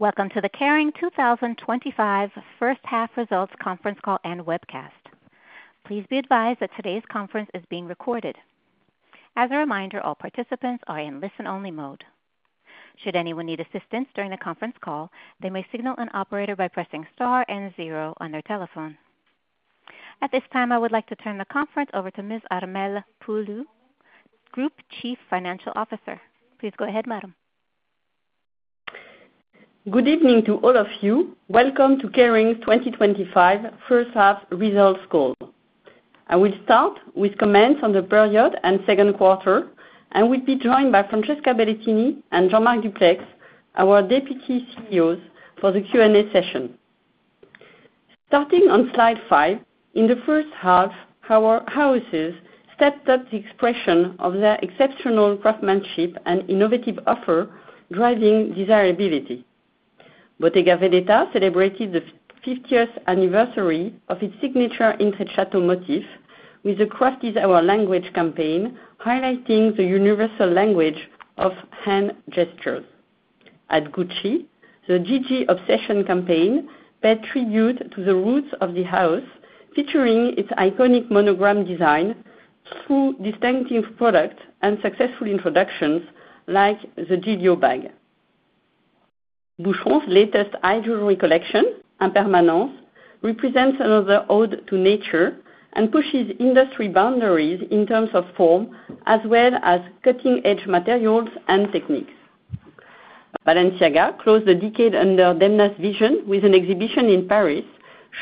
Welcome to the Kering 2025 First Half Results Conference Call and Webcast. Please be advised that today's conference is being recorded. As a reminder, all participants are in listen-only mode. Should anyone need assistance during the conference call, they may signal an operator by pressing Star and Zero on their telephone. At this time, I would like to turn the conference over to Ms. Armelle Poulou, Group Chief Financial Officer. Please go ahead, Madam. Good evening to all of you. Welcome to Kering 2025 First Half Results Call. I will start with comments on the period and second quarter, and we'll be joined by Francesca Bellettini and Jean-Marc Duplaix, our Deputy CEOs, for the Q&A session. Starting on slide five, in the first half, our houses stepped up the expression of their exceptional craftsmanship and innovative offer driving desirability. Bottega Veneta celebrated the 50th anniversary of its signature intricate Intrecciato motif with the Craft is Our Language campaign, highlighting the universal language of hand gestures. At Gucci, the Gigi Obsession campaign paid tribute to the roots of the house, featuring its iconic monogram design, through distinctive products and successful introductions like the Giglio bag. Boucheron's latest high-jewelry collection, Impermanence, represents another ode to nature and pushes industry boundaries in terms of form as well as cutting-edge materials and techniques. Balenciaga closed the decade under Demna's vision with an exhibition in Paris,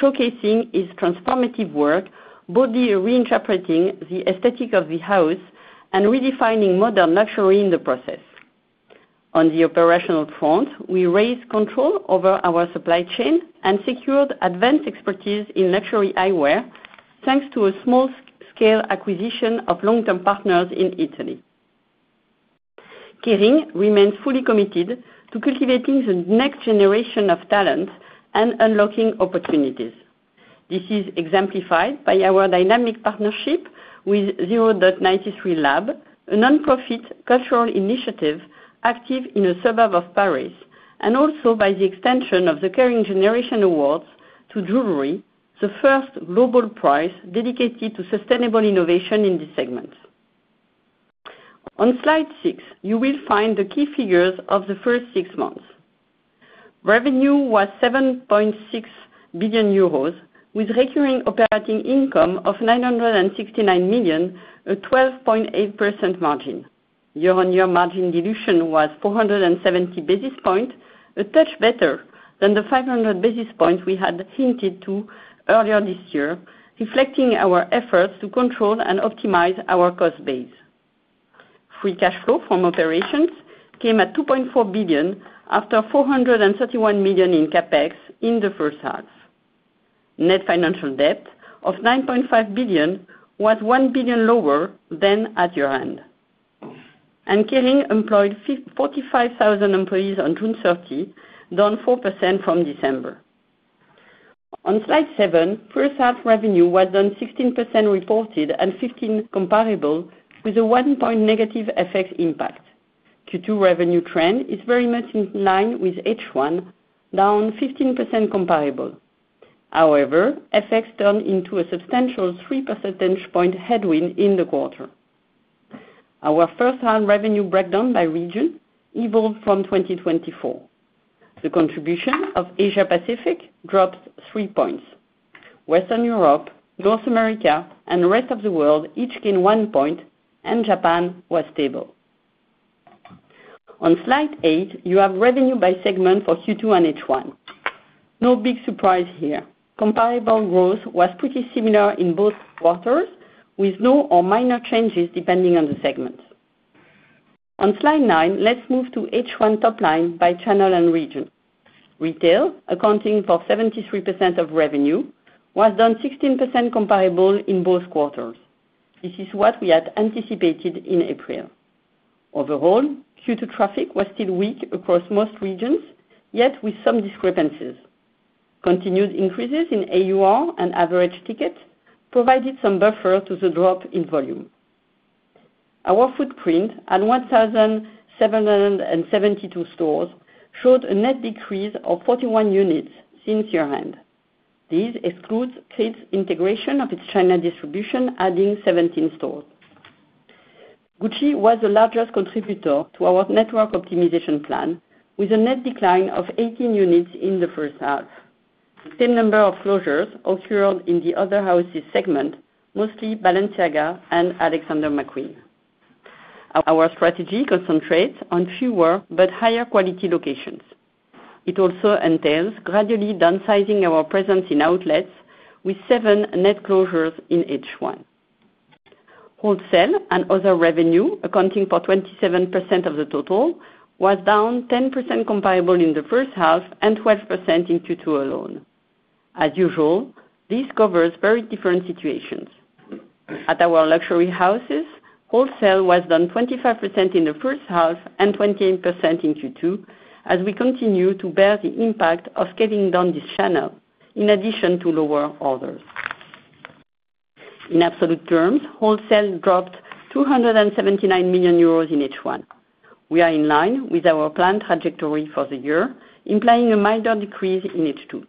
showcasing his transformative work, both reinterpreting the aesthetic of the house and redefining modern luxury in the process. On the operational front, we raised control over our supply chain and secured advanced expertise in luxury eyewear thanks to a small-scale acquisition of long-term partners in Italy. Kering remains fully committed to cultivating the next generation of talent and unlocking opportunities. This is exemplified by our dynamic partnership with 0.93 Lab, a nonprofit cultural initiative active in the suburbs of Paris, and also by the extension of the Kering Generation Awards to jewelry, the first global prize dedicated to sustainable innovation in this segment. On slide six, you will find the key figures of the first six months. Revenue was 7.6 billion euros, with recurring operating income of 969 million, a 12.8% margin. Year-on-year margin dilution was 470 basis points, a touch better than the 500 basis points we had hinted to earlier this year, reflecting our efforts to control and optimize our cost base. Free cash flow from operations came at 2.4 billion after 431 million in CapEx in the first half. Net financial debt of 9.5 billion was 1 billion lower than at year-end. Kering employed 45,000 employees on June 30, down 4% from December. On slide seven, first-half revenue was down 16% reported and 15% comparable, with a 1-point negative FX impact. Q2 revenue trend is very much in line with H1, down 15% comparable. However, FX turned into a substantial 3 percentage point headwind in the quarter. Our first-half revenue breakdown by region evolved from 2024. The contribution of Asia-Pacific dropped 3 points. Western Europe, North America, and the Rest of the World each gained 1 point, and Japan was stable. On slide eight, you have revenue by segment for Q2 and H1. No big surprise here. Comparable growth was pretty similar in both quarters, with no or minor changes depending on the segment. On slide nine, let's move to H1 top line by channel and region. Retail, accounting for 73% of revenue, was down 16% comparable in both quarters. This is what we had anticipated in April. Overall, Q2 traffic was still weak across most regions, yet with some discrepancies. Continued increases in AUR and average tickets provided some buffer to the drop in volume. Our footprint at 1,772 stores showed a net decrease of 41 units since year-end. This excludes Kering's integration of its China distribution, adding 17 stores. Gucci was the largest contributor to our network optimization plan, with a net decline of 18 units in the first half. The same number of closures occurred in the Other Houses segment, mostly Balenciaga and Alexander McQueen. Our strategy concentrates on fewer but higher quality locations. It also entails gradually downsizing our presence in outlets with seven net closures in H1. Wholesale and other revenue, accounting for 27% of the total, was down 10% comparable in the first half and 12% in Q2 alone. As usual, this covers very different situations. At our luxury houses, wholesale was down 25% in the first half and 28% in Q2, as we continue to bear the impact of scaling down this channel in addition to lower orders. In absolute terms, wholesale dropped 279 million euros in H1. We are in line with our planned trajectory for the year, implying a minor decrease in H2.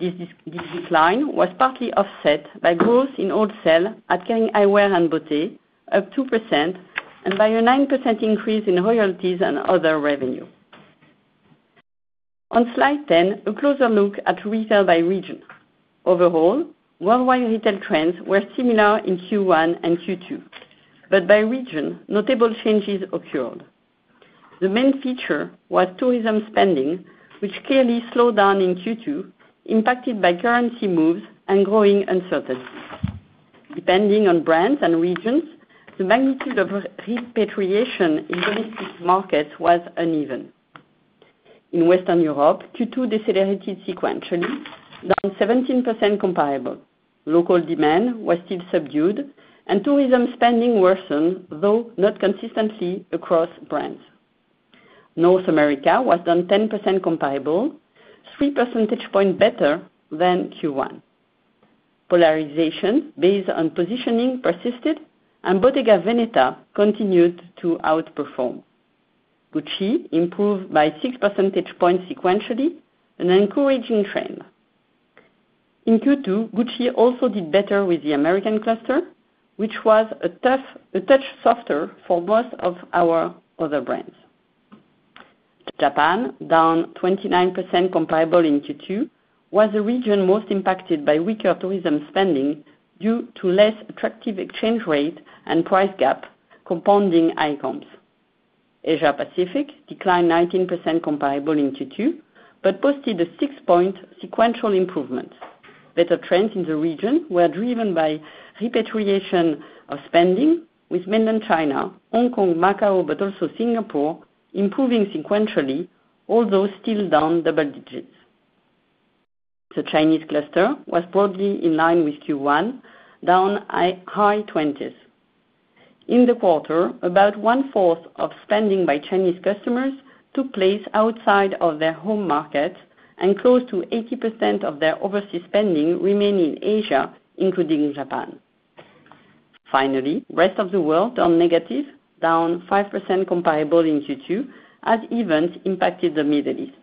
This decline was partly offset by growth in wholesale at Kering Eyewear and Beauté of 2% and by a 9% increase in royalties and other revenue. On slide 10, a closer look at retail by region. Overall, worldwide retail trends were similar in Q1 and Q2, but by region, notable changes occurred. The main feature was tourism spending, which clearly slowed down in Q2, impacted by currency moves and growing uncertainties. Depending on brands and regions, the magnitude of repatriation in domestic markets was uneven. In Western Europe, Q2 decelerated sequentially, down 17% comparable. Local demand was still subdued, and tourism spending worsened, though not consistently across brands. North America was down 10% comparable, 3 percentage points better than Q1. Polarization based on positioning persisted, and Bottega Veneta continued to outperform. Gucci improved by 6 percentage points sequentially, an encouraging trend. In Q2, Gucci also did better with the American cluster, which was a touch softer for most of our other brands. Japan, down 29% comparable in Q2, was the region most impacted by weaker tourism spending due to less attractive exchange rate and price gap compounding outcomes. Asia-Pacific declined 19% comparable in Q2 but posted a 6-point sequential improvement. Better trends in the region were driven by repatriation of spending, with Mainland China, Hong Kong, Macao, but also Singapore improving sequentially, although still down double digits. The Chinese cluster was broadly in line with Q1, down high 20s. In the quarter, about one-fourth of spending by Chinese customers took place outside of their home market, and close to 80% of their overseas spending remained in Asia, including Japan. Finally, the Rest of the World turned negative, down 5% comparable in Q2, as events impacted the Middle East.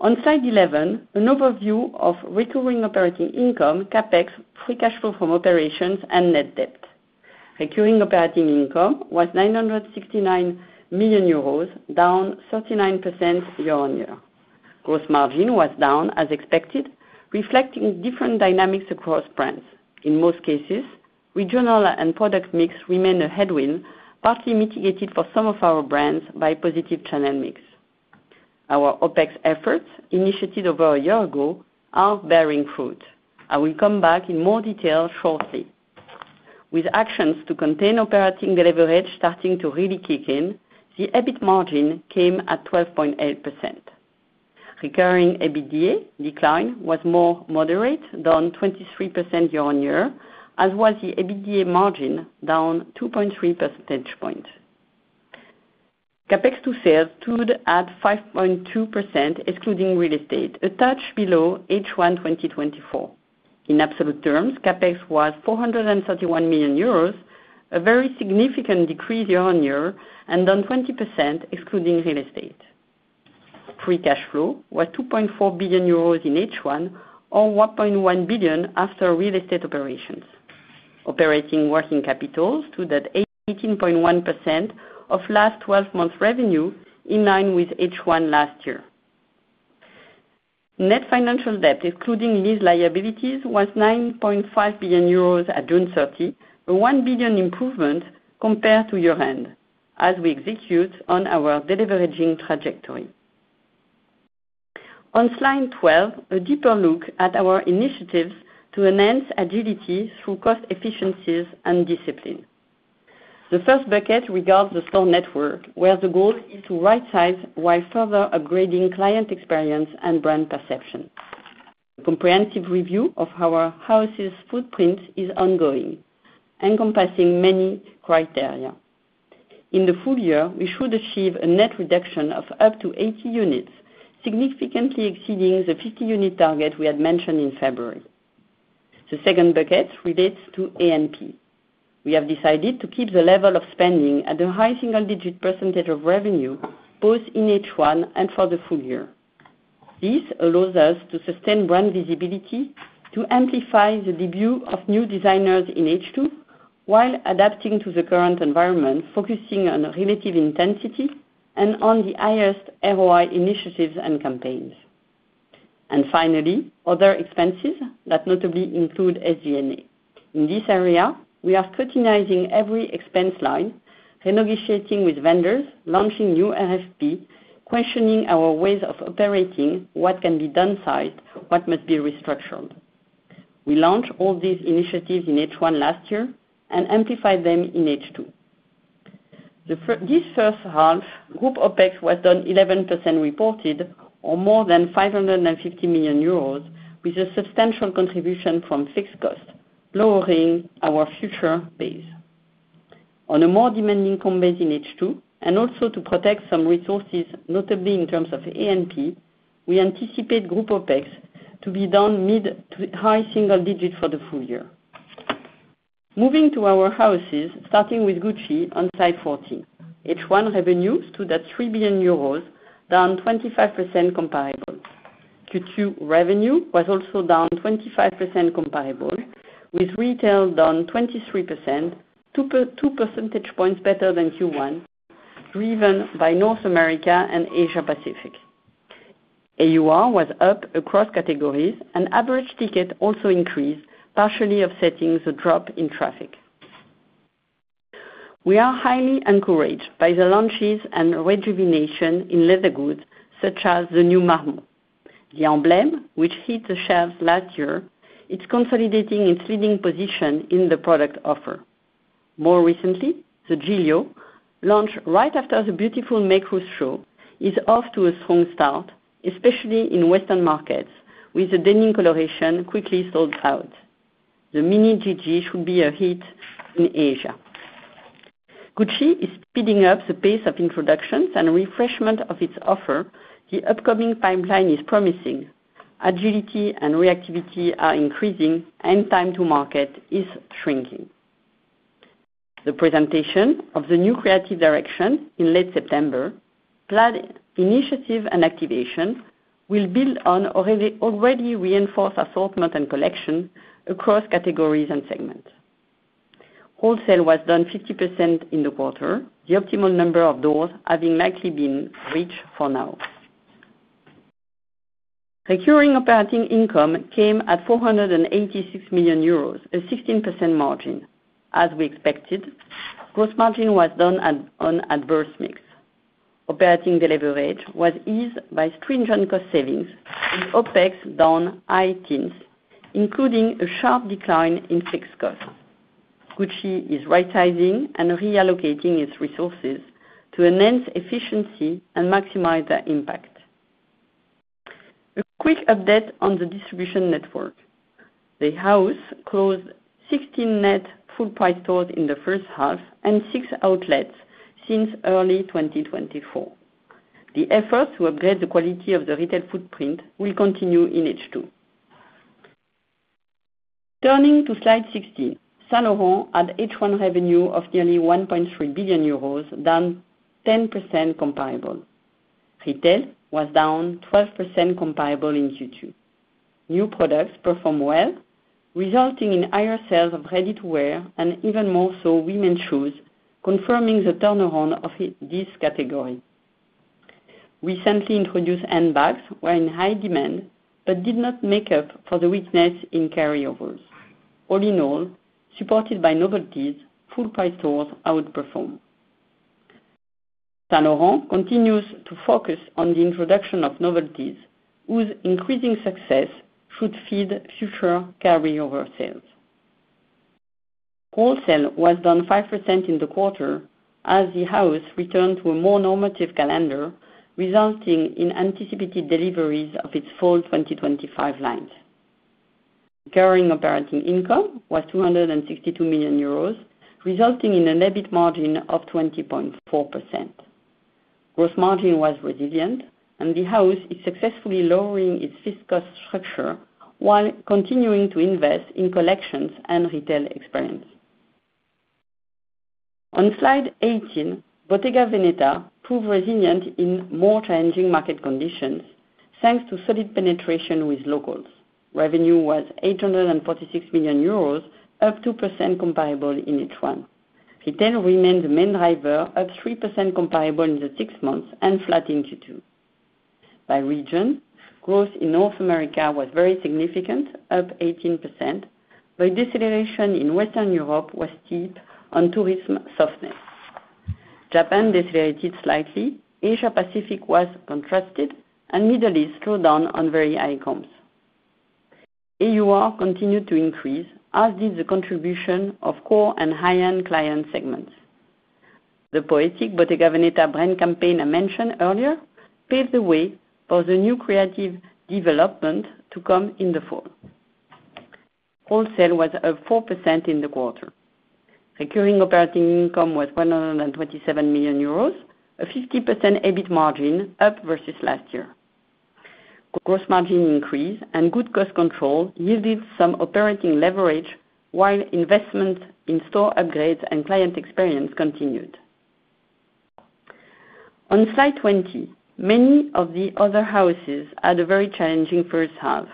On slide 11, an overview of recurring operating income, CapEx, free cash flow from operations, and net debt. Recurring operating income was 969 million euros, down 39% year-on-year. Gross margin was down, as expected, reflecting different dynamics across brands. In most cases, regional and product mix remained a headwind, partly mitigated for some of our brands by positive channel mix. Our OPEX efforts, initiated over a year ago, are bearing fruit. I will come back in more detail shortly. With actions to contain operating leverage starting to really kick in, the EBIT margin came at 12.8%. Recurring EBITDA decline was more moderate, down 23% year-on-year, as was the EBITDA margin, down 2.3 percentage points. CapEx to sales stood at 5.2%, excluding real estate, a touch below H1 2024. In absolute terms, CapEx was 431 million euros, a very significant decrease year-on-year, and down 20%, excluding real estate. Free cash flow was 2.4 billion euros in H1, or 1.1 billion after real estate operations. Operating working capital stood at 18.1% of last 12 months' revenue, in line with H1 last year. Net financial debt, excluding lease liabilities, was 9.5 billion euros at June 30, a 1 billion improvement compared to year-end, as we execute on our delivery trajectory. On slide 12, a deeper look at our initiatives to enhance agility through cost efficiencies and discipline. The first bucket regards the store network, where the goal is to right-size while further upgrading client experience and brand perception. A comprehensive review of our houses' footprint is ongoing, encompassing many criteria. In the full year, we should achieve a net reduction of up to 80 units, significantly exceeding the 50-unit target we had mentioned in February. The second bucket relates to A&P. We have decided to keep the level of spending at a high single-digit percentage of revenue, both in H1 and for the full year. This allows us to sustain brand visibility, to amplify the debut of new designers in H2, while adapting to the current environment, focusing on relative intensity and on the highest ROI initiatives and campaigns. Finally, other expenses that notably include SG&A. In this area, we are scrutinizing every expense line, renegotiating with vendors, launching new RFP, questioning our ways of operating, what can be downsized, what must be restructured. We launched all these initiatives in H1 last year and amplified them in H2. This first half, group OPEX was down 11% reported, or more than 550 million euros, with a substantial contribution from fixed costs, lowering our future base. On a more demanding combat in H2, and also to protect some resources, notably in terms of A&P, we anticipate group OPEX to be down mid to high single digits for the full year. Moving to our houses, starting with Gucci on slide 14. H1 revenue stood at 3 billion euros, down 25% comparable. Q2 revenue was also down 25% comparable, with retail down 23%. two percentage points better than Q1, driven by North America and Asia-Pacific. AUR was up across categories, and average ticket also increased, partially offsetting the drop in traffic. We are highly encouraged by the launches and rejuvenation in leather goods such as the new Marmont. The emblem, which hit the shelves last year, is consolidating its leading position in the product offer. More recently, the [Giglio], launched right after the beautiful [Mécruz] show, is off to a strong start, especially in Western markets, with the denim coloration quickly sold out. The MINI GG should be a hit in Asia. Gucci is speeding up the pace of introductions and refreshment of its offer. The upcoming pipeline is promising. Agility and reactivity are increasing, and time to market is shrinking. The presentation of the new creative direction in late September. Planned initiative and activation will build on already reinforced assortment and collection across categories and segments. Wholesale was down 50% in the quarter, the optimal number of doors having likely been reached for now. Recurring operating income came at 486 million euros, a 16% margin. As we expected, gross margin was down on adverse mix. Operating delivery was eased by stringent cost savings, with OpEx down high teens, including a sharp decline in fixed costs. Gucci is right-sizing and reallocating its resources to enhance efficiency and maximize that impact. A quick update on the distribution network. The house closed 16 net full-price stores in the first half and six outlets since early 2024. The efforts to upgrade the quality of the retail footprint will continue in H2. Turning to slide 16, Saint Laurent had H1 revenue of nearly 1.3 billion euros, down 10% comparable. Retail was down 12% comparable in Q2. New products performed well, resulting in higher sales of ready-to-wear and even more so women's shoes, confirming the turnaround of this category. Recently introduced handbags were in high demand but did not make up for the weakness in carryovers. All in all, supported by novelties, full-price stores outperformed. Saint Laurent continues to focus on the introduction of novelties, whose increasing success should feed future carryover sales. Wholesale was down 5% in the quarter, as the house returned to a more normative calendar, resulting in anticipated deliveries of its full 2025 lines. Recurring operating income was 262 million euros, resulting in a net margin of 20.4%. Gross margin was resilient, and the house is successfully lowering its fixed cost structure while continuing to invest in collections and retail experience. On slide 18, Bottega Veneta proved resilient in more challenging market conditions, thanks to solid penetration with locals. Revenue was 846 million euros, up 2% comparable in H1. Retail remained the main driver, up 3% comparable in the six months and flat in Q2. By region, growth in North America was very significant, up 18%. The deceleration in Western Europe was steep on tourism softness. Japan decelerated slightly. Asia-Pacific was contrasted, and Middle East slowed down on very high comps. AUR continued to increase, as did the contribution of core and high-end client segments. The poetic Bottega Veneta brand campaign I mentioned earlier paved the way for the new creative development to come in the fall. Wholesale was up 4% in the quarter. Recurring operating income was 127 million euros, a 50% EBIT margin, up versus last year. Gross margin increase and good cost control yielded some operating leverage, while investment in store upgrades and client experience continued. On slide 20, many of the other houses had a very challenging first half.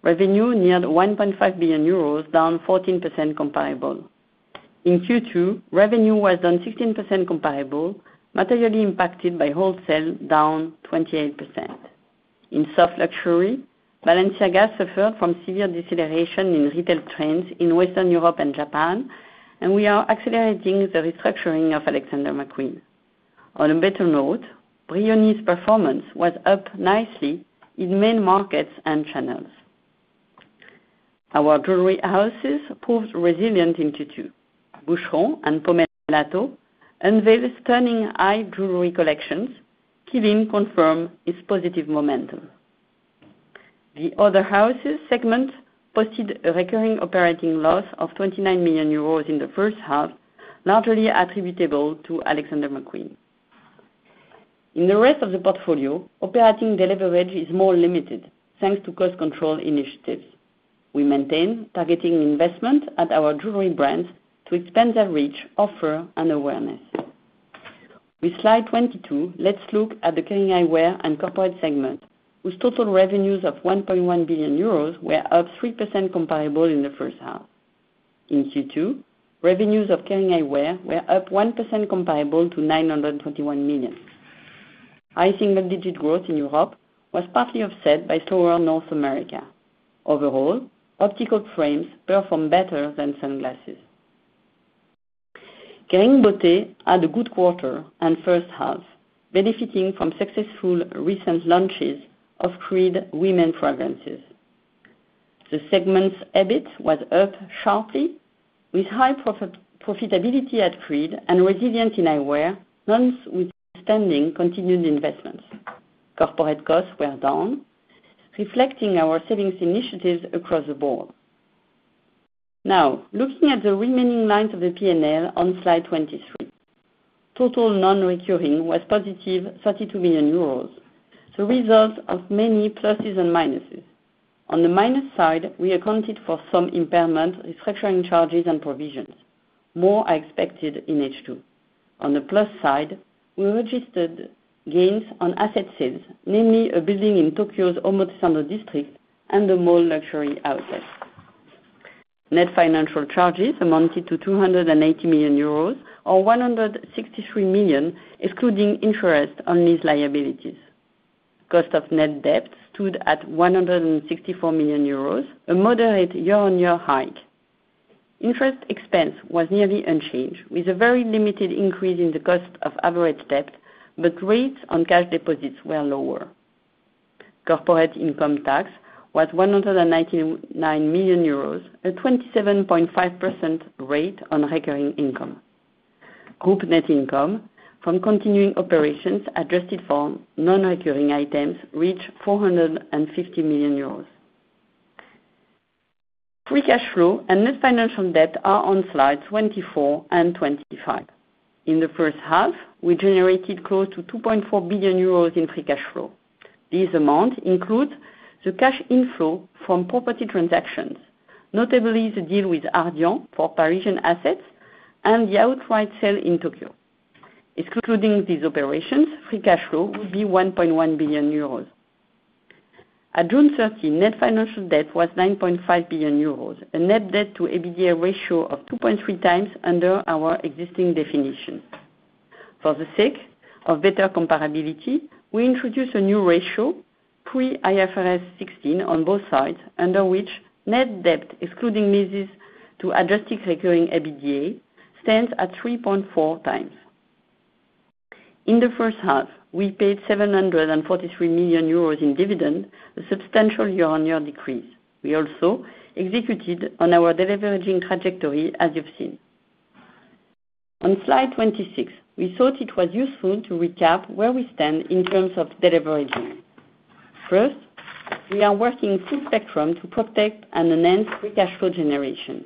Revenue neared 1.5 billion euros, down 14% comparable. In Q2, revenue was down 16% comparable, materially impacted by wholesale, down 28%. In soft luxury, Balenciaga suffered from severe deceleration in retail trends in Western Europe and Japan, and we are accelerating the restructuring of Alexander McQueen. On a better note, Brioni's performance was up nicely in main markets and channels. Our jewelry houses proved resilient in Q2. Boucheron and Pomellato unveiled stunning high jewelry collections, keeping confirmed its positive momentum. The other houses' segments posted a recurring operating loss of 29 million euros in the first half, largely attributable to Alexander McQueen. In the rest of the portfolio, operating delivery is more limited, thanks to cost control initiatives. We maintain targeting investment at our jewelry brands to expand their reach, offer, and awareness. With slide 22, let's look at the Kering Eyewear and corporate segment, whose total revenues of 1.1 billion euros were up 3% comparable in the first half. In Q2, revenues of Kering Eyewear were up 1% comparable to 921 million. High single-digit growth in Europe was partly offset by slower North America. Overall, optical frames performed better than sunglasses. Kering Beauté had a good quarter and first half, benefiting from successful recent launches of Creed women's fragrances. The segment's EBIT was up sharply, with high profitability at Creed and resilience in eyewear, along with expanding continued investments. Corporate costs were down, reflecting our savings initiatives across the board. Now, looking at the remaining lines of the P&L on slide 23. Total non-recurring was positive 32 million euros, the result of many pluses and minuses. On the minus side, we accounted for some impairments, restructuring charges, and provisions. More are expected in H2. On the plus side, we registered gains on asset sales, namely a building in Tokyo's Omotesando district and the Mall Luxury Outlet. Net financial charges amounted to 280 million euros, or 163 million, excluding interest on lease liabilities. Cost of net debt stood at 164 million euros, a moderate year-on-year hike. Interest expense was nearly unchanged, with a very limited increase in the cost of average debt, but rates on cash deposits were lower. Corporate income tax was 199 million euros, a 27.5% rate on recurring income. Group net income from continuing operations adjusted for non-recurring items reached 450 million euros. Free cash flow and net financial debt are on slides 24 and 25. In the first half, we generated close to 2.4 billion euros in free cash flow. These amounts include the cash inflow from property transactions, notably the deal with Ardian for Parisian assets and the outright sale in Tokyo. Excluding these operations, free cash flow would be 1.1 billion euros. At June 30, net financial debt was 9.5 billion euros, a net debt-to-ABDA ratio of 2.3 times under our existing definition. For the sake of better comparability, we introduced a new ratio, pre-IFRS 16, on both sides, under which net debt, excluding leases to adjusted recurring ABDA, stands at 3.4 times. In the first half, we paid 743 million euros in dividend, a substantial year-on-year decrease. We also executed on our delivery trajectory, as you've seen. On slide 26, we thought it was useful to recap where we stand in terms of delivery revenue. First, we are working full spectrum to protect and enhance free cash flow generation.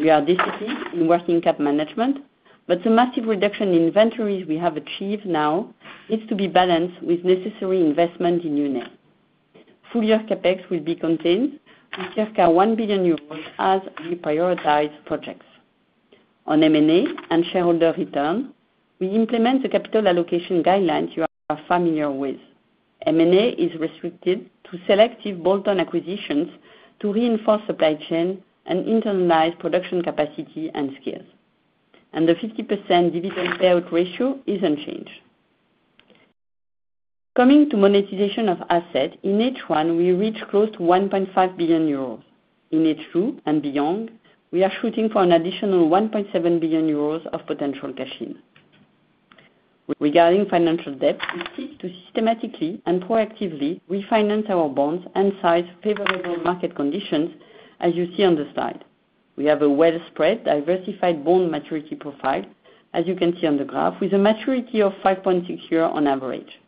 We are disciplined in working cap management, but the massive reduction in inventories we have achieved now needs to be balanced with necessary investment in unit. Full year CapEx will be contained to circa 1 billion euros as we prioritize projects. On M&A and shareholder return, we implement the capital allocation guidelines you are familiar with. M&A is restricted to selective bolt-on acquisitions to reinforce supply chain and internalize production capacity and skills. The 50% dividend payout ratio is unchanged. Coming to monetization of assets, in H1, we reached close to 1.5 billion euros. In H2 and beyond, we are shooting for an additional 1.7 billion euros of potential cash in. Regarding financial debt, we seek to systematically and proactively refinance our bonds and size favorable market conditions, as you see on the slide. We have a well-spread, diversified bond maturity profile, as you can see on the graph, with a maturity of 5.6 years on average.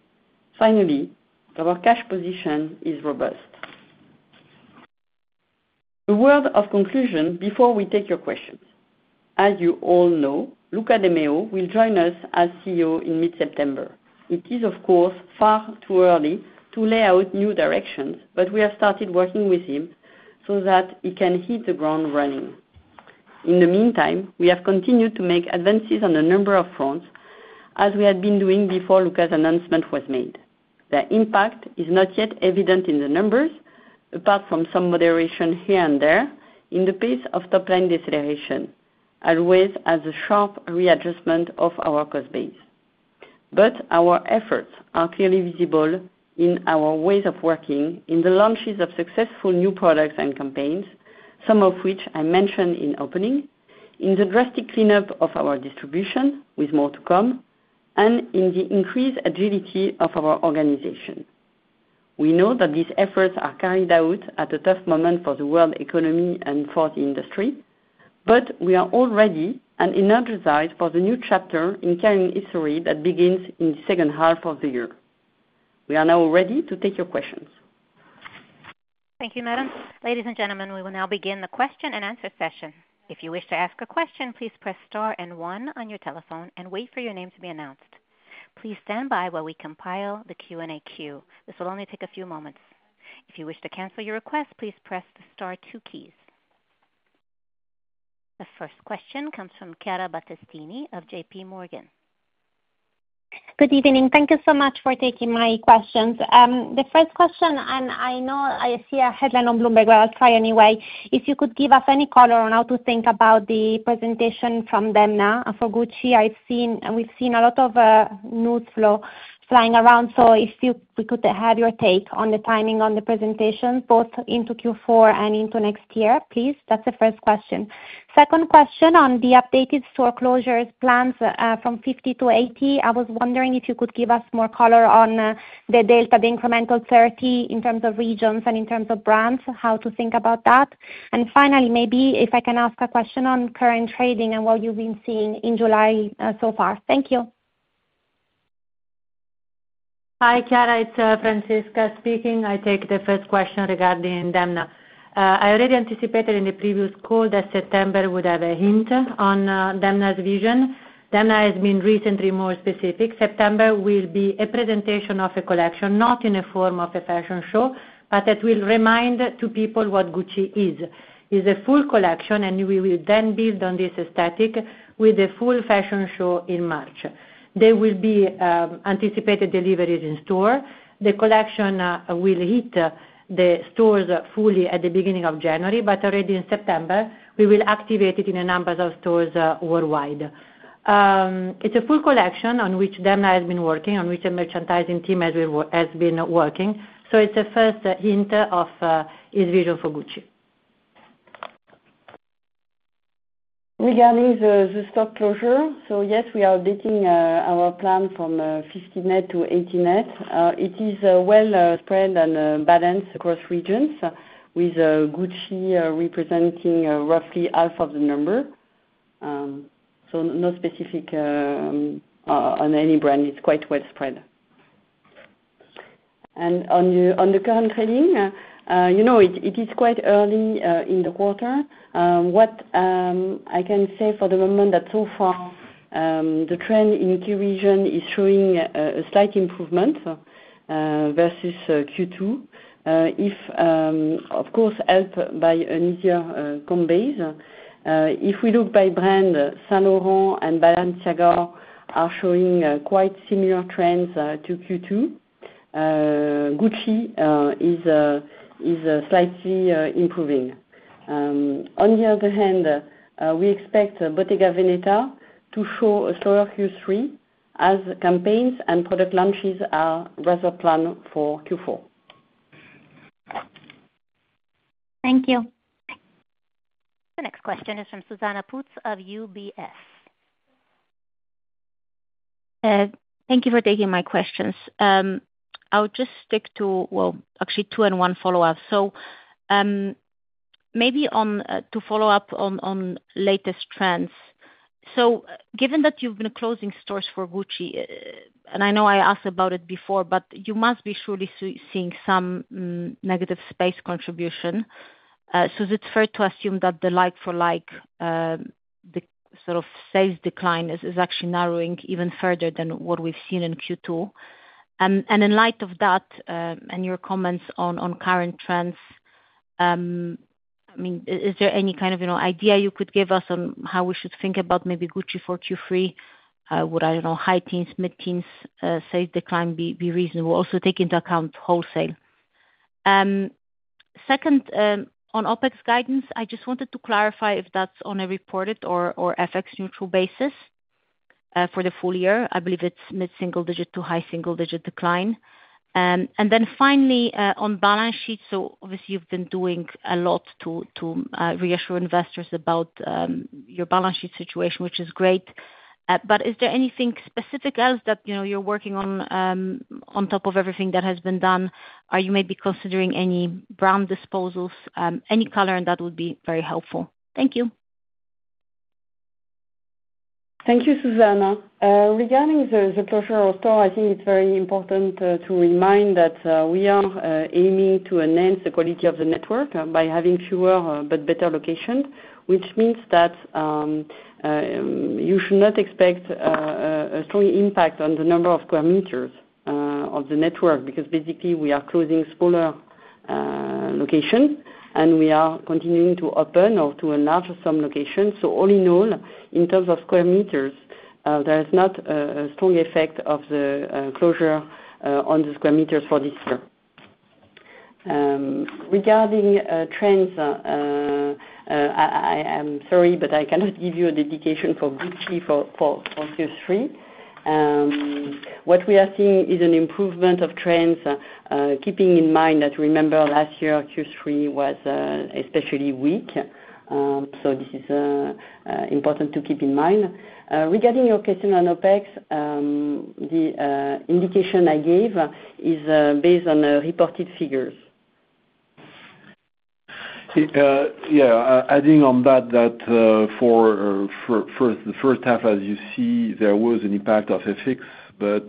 Finally, our cash position is robust. A word of conclusion before we take your questions. As you all know, Luca de Meo will join us as CEO in mid-September. It is, of course, far too early to lay out new directions, but we have started working with him so that he can hit the ground running. In the meantime, we have continued to make advances on a number of fronts, as we had been doing before Luca's announcement was made. The impact is not yet evident in the numbers, apart from some moderation here and there in the pace of top-line deceleration, always as a sharp readjustment of our cost base. Our efforts are clearly visible in our ways of working, in the launches of successful new products and campaigns, some of which I mentioned in opening, in the drastic cleanup of our distribution, with more to come, and in the increased agility of our organization. We know that these efforts are carried out at a tough moment for the world economy and for the industry, but we are all ready and energized for the new chapter in Kering history that begins in the second half of the year. We are now ready to take your questions. Thank you, Madam. Ladies and gentlemen, we will now begin the question-and-answer session. If you wish to ask a question, please press star and one on your telephone and wait for your name to be announced. Please stand by while we compile the Q&A queue. This will only take a few moments. If you wish to cancel your request, please press the Star 2 keys. The first question comes from Chiara Battistini of JP Morgan. Good evening. Thank you so much for taking my questions. The first question, and I know I see a headline on Bloomberg, but I'll try anyway, is if you could give us any color on how to think about the presentation from Demna. For Gucci, we've seen a lot of news flow flying around, so if we could have your take on the timing on the presentation, both into Q4 and into next year, please. That's the first question. Second question on the updated store closures plans from 50 to 80. I was wondering if you could give us more color on the data, the incremental 30 in terms of regions and in terms of brands, how to think about that. And finally, maybe if I can ask a question on current trading and what you've been seeing in July so far. Thank you. Hi, Chiara. It's Francesca speaking. I take the first question regarding Demna. I already anticipated in the previous call that September would have a hint on Demna's vision. Demna has been recently more specific. September will be a presentation of a collection, not in the form of a fashion show, but that will remind people what Gucci is. It's a full collection, and we will then build on this aesthetic with a full fashion show in March. There will be anticipated deliveries in store. The collection will hit the stores fully at the beginning of January, but already in September, we will activate it in a number of stores worldwide. It's a full collection on which Demna has been working, on which a merchandising team has been working. So it's a first hint of his vision for Gucci. Regarding the store closure, yes, we are updating our plan from 50 net to 80 net. It is well spread and balanced across regions, with Gucci representing roughly half of the number. No specific on any brand. It's quite well spread. On the current trading, it is quite early in the quarter. What I can say for the moment is that so far, the trend in Q1region is showing a slight improvement versus Q2. Of course, helped by an easier comp base. If we look by brand, Saint Laurent and Balenciaga are showing quite similar trends to Q2. Gucci is slightly improving. On the other hand, we expect Bottega Veneta to show a slower Q3 as campaigns and product launches are rather planned for Q4. Thank you. The next question is from Susanna Pootz of UBS. Thank you for taking my questions. I'll just stick to, actually two and one follow-up. Maybe to follow up on latest trends. Given that you've been closing stores for Gucci, and I know I asked about it before, but you must be surely seeing some negative space contribution. It's fair to assume that the like-for-like sales decline is actually narrowing even further than what we've seen in Q2. In light of that and your comments on current trends, is there any kind of idea you could give us on how we should think about maybe Gucci for Q3? Would, I don't know, high teens, mid-teens sales decline be reasonable? Also take into account wholesale. Second, on OPEX guidance, I just wanted to clarify if that's on a reported or FX neutral basis for the full year. I believe it's mid-single digit to high single digit decline. Finally, on balance sheet, obviously you've been doing a lot to reassure investors about your balance sheet situation, which is great. Is there anything specific else that you're working on on top of everything that has been done? Are you maybe considering any brand disposals? Any color in that would be very helpful. Thank you. Thank you, Susanna. Regarding the closure of store, I think it's very important to remind that we are aiming to enhance the quality of the network by having fewer but better locations, which means that you should not expect a strong impact on the number of square meters of the network because basically we are closing smaller locations and we are continuing to open or to enlarge some locations. All in all, in terms of square meters, there is not a strong effect of the closure on the square meters for this year. Regarding trends, I'm sorry, but I cannot give you a dedication for Gucci for Q3. What we are seeing is an improvement of trends, keeping in mind that, remember, last year Q3 was especially weak. This is important to keep in mind. Regarding your question on OPEX, the indication I gave is based on reported figures. Yeah. Adding on that, for the first half, as you see, there was an impact of FX, but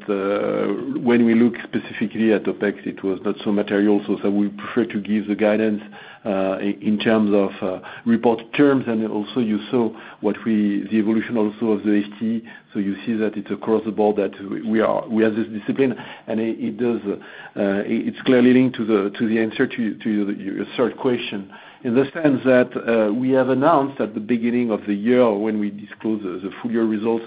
when we look specifically at OPEX, it was not so material. We prefer to give the guidance in terms of report terms and also you saw the evolution also of the STE. You see that it's across the board that we have this discipline. It's clearly linked to the answer to your third question in the sense that we have announced at the beginning of the year when we disclose the full year results,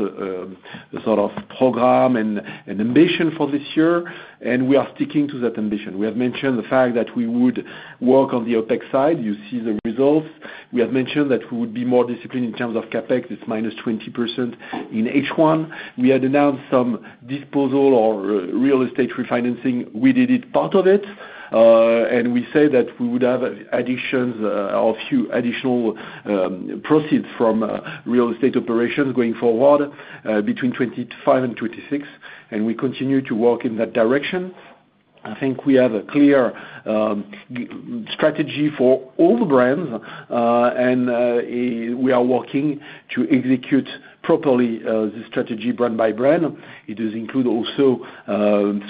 sort of program and ambition for this year, and we are sticking to that ambition. We have mentioned the fact that we would work on the OPEX side. You see the results. We have mentioned that we would be more disciplined in terms of CapEx. It's -20% in H1. We had announced some disposal or real estate refinancing. We did part of it. We said that we would have a few additional proceeds from real estate operations going forward between 2025 and 2026. We continue to work in that direction. I think we have a clear strategy for all the brands, and we are working to execute properly the strategy brand by brand. It does include also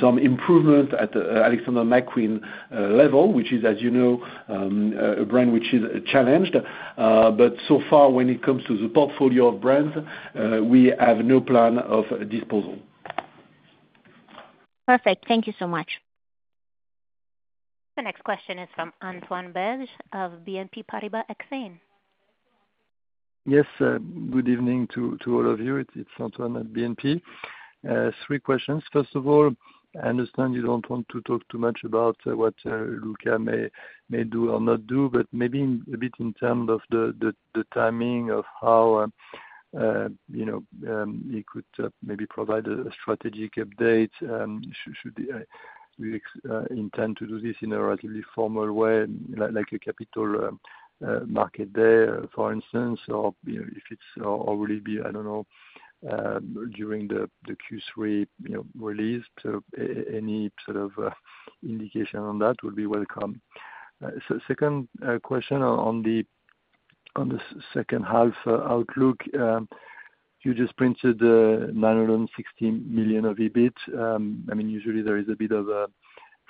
some improvement at the Alexander McQueen level, which is, as you know, a brand which is challenged. So far, when it comes to the portfolio of brands, we have no plan of disposal. Perfect. Thank you so much. The next question is from Antoine Belge of BNP Paribas Exane. Yes. Good evening to all of you. It's Antoine at BNP. Three questions. First of all, I understand you don't want to talk too much about what Luca may do or not do, but maybe a bit in terms of the timing of how he could maybe provide a strategic update. Should we intend to do this in a relatively formal way, like a capital market day, for instance, or if it's already been, I don't know, during the Q3 release. Any sort of indication on that would be welcome. Second question on the second half outlook. You just printed 916 million of EBIT. I mean, usually there is a bit of a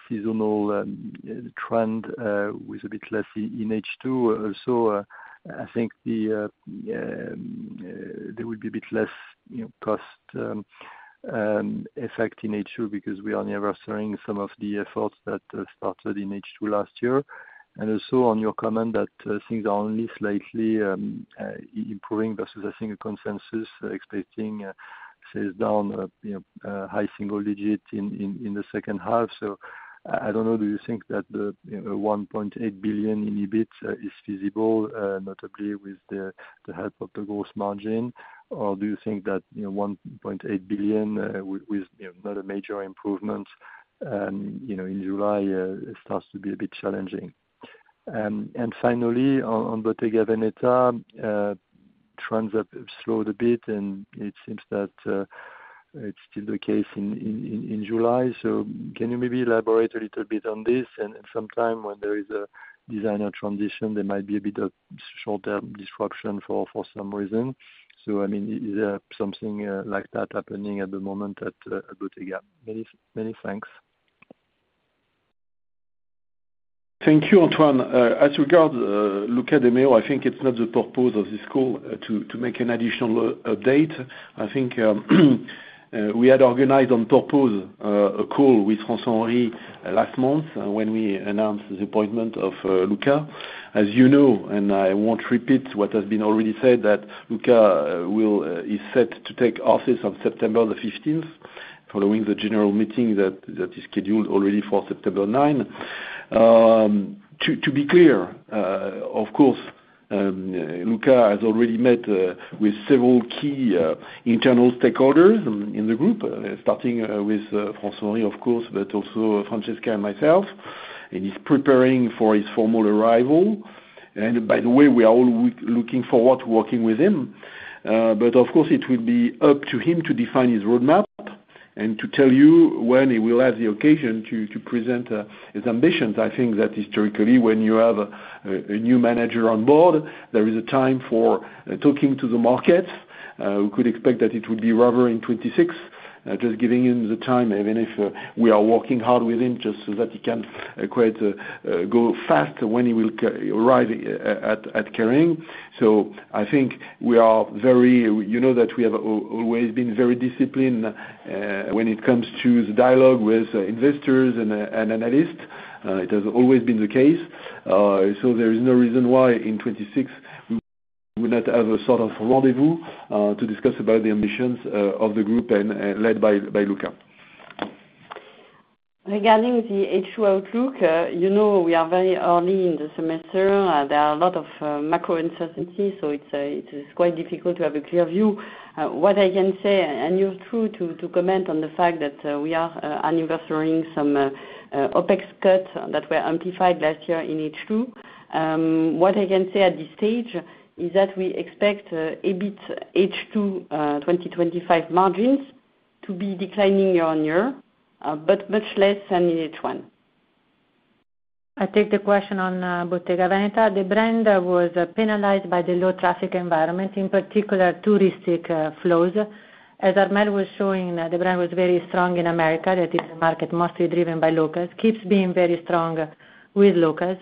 seasonal trend with a bit less in H2. Also, I think there would be a bit less cost effect in H2 because we are never seeing some of the efforts that started in H2 last year. Also, on your comment that things are only slightly improving versus a single consensus expecting sales down high single digit in the second half. I don't know, do you think that the 1.8 billion in EBIT is feasible, notably with the help of the gross margin, or do you think that 1.8 billion with not a major improvement in July starts to be a bit challenging? Finally, on Bottega Veneta. Trends have slowed a bit, and it seems that it's still the case in July. Can you maybe elaborate a little bit on this? Sometimes when there is a designer transition, there might be a bit of short-term disruption for some reason. Is there something like that happening at the moment at Bottega? Many thanks. Thank you, Antoine. As regards Luca de Meo, I think it's not the purpose of this call to make an additional update. We had organized on purpose a call with François-Henri last month when we announced the appointment of Luca. As you know, and I won't repeat what has been already said, Luca is set to take office on September 15th following the general meeting that is scheduled already for September 9. To be clear, of course, Luca has already met with several key internal stakeholders in the group, starting with François-Henri, of course, but also Francesca and myself. He is preparing for his formal arrival. By the way, we are all looking forward to working with him. Of course, it will be up to him to define his roadmap and to tell you when he will have the occasion to present his ambitions. I think that historically, when you have a new manager on board, there is a time for talking to the market. We could expect that it would be rather in 2026, just giving him the time, even if we are working hard with him, just so that he can quite go fast when he will arrive at Kering. I think we are very, you know, that we have always been very disciplined when it comes to the dialogue with investors and analysts. It has always been the case. There is no reason why in 2026 we would not have a sort of rendezvous to discuss about the ambitions of the group led by Luca. Regarding the H2 outlook, we are very early in the semester. There are a lot of macro uncertainties, so it's quite difficult to have a clear view. What I can say, and you are through to comment on the fact that we are anniversarying some OPEX cuts that were amplified last year in H2. What I can say at this stage is that we expect EBIT H2 2025 margins to be declining year on year, but much less than in H1. I take the question on Bottega Veneta. The brand was penalized by the low traffic environment, in particular touristic flows. As Armelle was showing, the brand was very strong in America. That is a market mostly driven by locals, keeps being very strong with locals.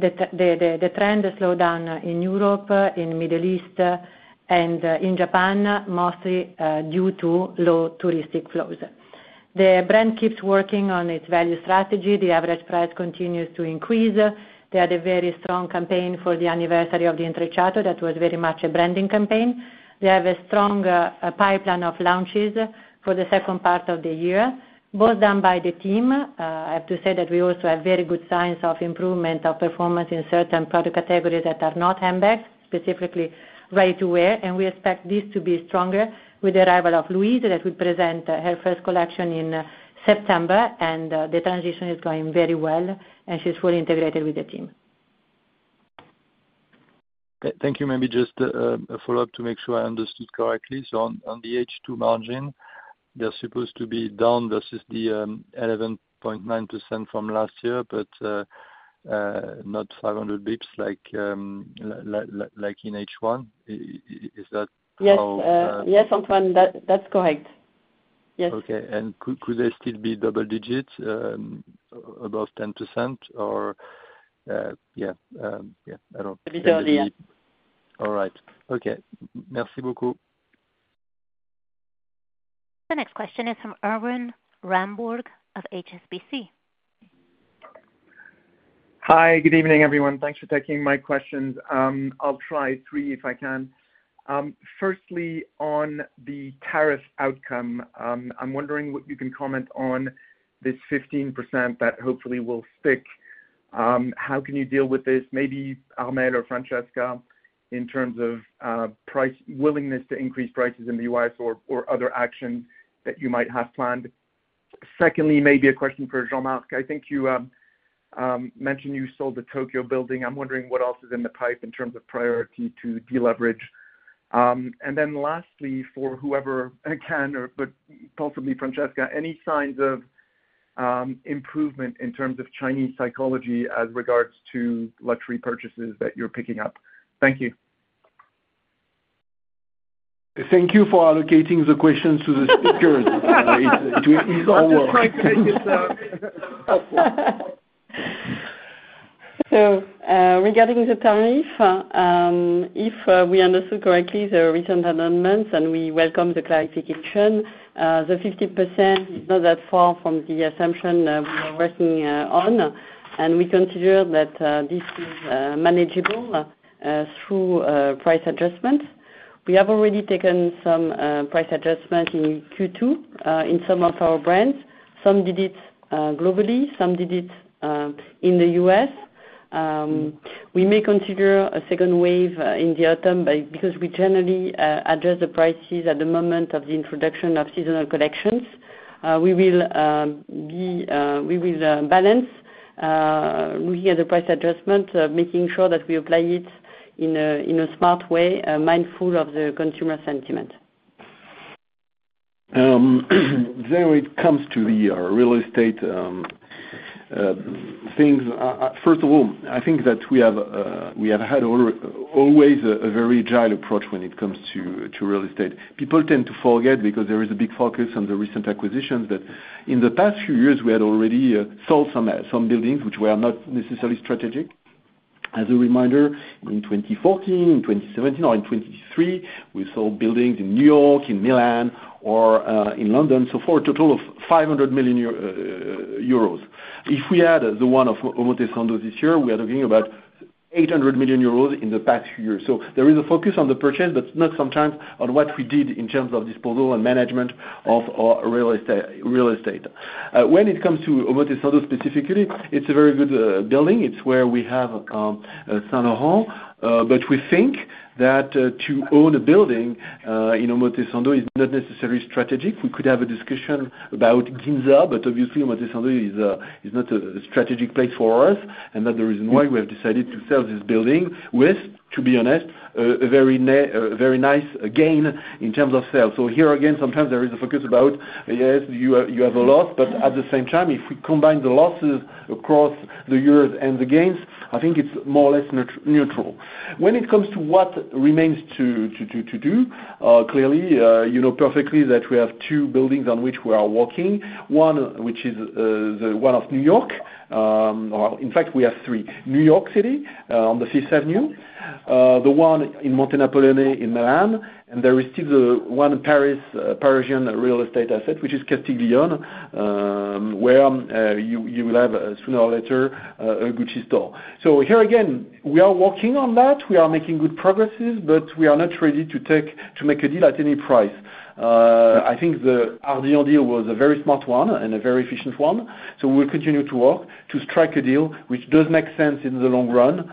The trend slowed down in Europe, in the Middle East, and in Japan, mostly due to low touristic flows. The brand keeps working on its value strategy. The average price continues to increase. They had a very strong campaign for the anniversary of the Intrecciato that was very much a branding campaign. They have a strong pipeline of launches for the second part of the year, both done by the team. I have to say that we also have very good signs of improvement of performance in certain product categories that are not handbags, specifically ready-to-wear. We expect this to be stronger with the arrival of [Louis], that will present her first collection in September. The transition is going very well, and she's fully integrated with the team. Thank you. Maybe just a follow-up to make sure I understood correctly. On the H2 margin, they're supposed to be down versus the 11.9% from last year, but not 500 basis points like in H1. Is that how? Yes. Yes, Antoine. That's correct. Yes. Okay. Could they still be double digits, above 10%, or? Yeah, yeah, I don't know. A bit earlier. All right. Okay. Merci beaucoup. The next question is from Erwan Rambourg of HSBC. Hi. Good evening, everyone. Thanks for taking my questions. I'll try three if I can. Firstly, on the tariff outcome, I'm wondering what you can comment on. This 15% that hopefully will stick. How can you deal with this, maybe Armelle or Francesca, in terms of willingness to increase prices in the U.S. or other actions that you might have planned? Secondly, maybe a question for Jean-Marc, I think you mentioned you sold the Tokyo building. I'm wondering what else is in the pipe in terms of priority to deleverage. And then lastly, for whoever can, but possibly Francesca, any signs of improvement in terms of Chinese psychology as regards to luxury purchases that you're picking up? Thank you. Thank you for allocating the questions to the speakers. It's all work. Regarding the tariff, if we understood correctly the recent announcements and we welcome the clarification, the 15% is not that far from the assumption we are working on. We consider that this is manageable through price adjustments. We have already taken some price adjustments in Q2 in some of our brands. Some did it globally. Some did it in the U.S. we may consider a second wave in the autumn because we generally adjust the prices at the moment of the introduction of seasonal collections. We will balance looking at the price adjustment, making sure that we apply it in a smart way, mindful of the consumer sentiment. When it comes to the real estate things, first of all, I think that we have had always a very agile approach when it comes to real estate. People tend to forget because there is a big focus on the recent acquisitions, but in the past few years, we had already sold some buildings which were not necessarily strategic. As a reminder, in 2014, in 2017, or in 2023, we sold buildings in New York, in Milan, or in London, for a total of 500 million euros. If we add the one of Omotesando this year, we are talking about 800 million euros in the past few years. There is a focus on the purchase, but not sometimes on what we did in terms of disposal and management of real estate. When it comes to Omotesando specifically, it's a very good building. It's where we have Saint Laurent. We think that to own a building in Omotesando is not necessarily strategic. We could have a discussion about Ginza, but obviously, Omotesando is not a strategic place for us. That's the reason why we have decided to sell this building with, to be honest, a very nice gain in terms of sales. Here again, sometimes there is a focus about, yes, you have a loss, but at the same time, if we combine the losses across the years and the gains, I think it is more or less neutral. When it comes to what remains to do, clearly, you know perfectly that we have two buildings on which we are working. One which is the one of New York. Or in fact, we have three. New York City on 5th Avenue. The one in Montenapoleone in Milan. And there is still the one Parisian real estate asset, which is Castille-Lyon, where you will have sooner or later a Gucci store. Here again, we are working on that. We are making good progress, but we are not ready to make a deal at any price. I think the RD&D was a very smart one and a very efficient one. We will continue to work to strike a deal which does make sense in the long run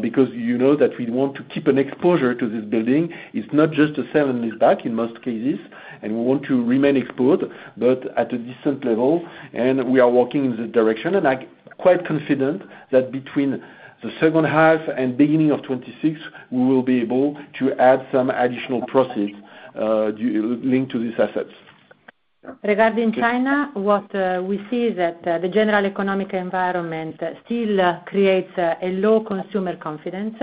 because you know that we want to keep an exposure to this building. It is not just a sell and lease back in most cases, and we want to remain exposed, but at a decent level. We are working in the direction. I am quite confident that between the second half and beginning of 2026, we will be able to add some additional proceeds linked to these assets. Regarding China, what we see is that the general economic environment still creates a low consumer confidence.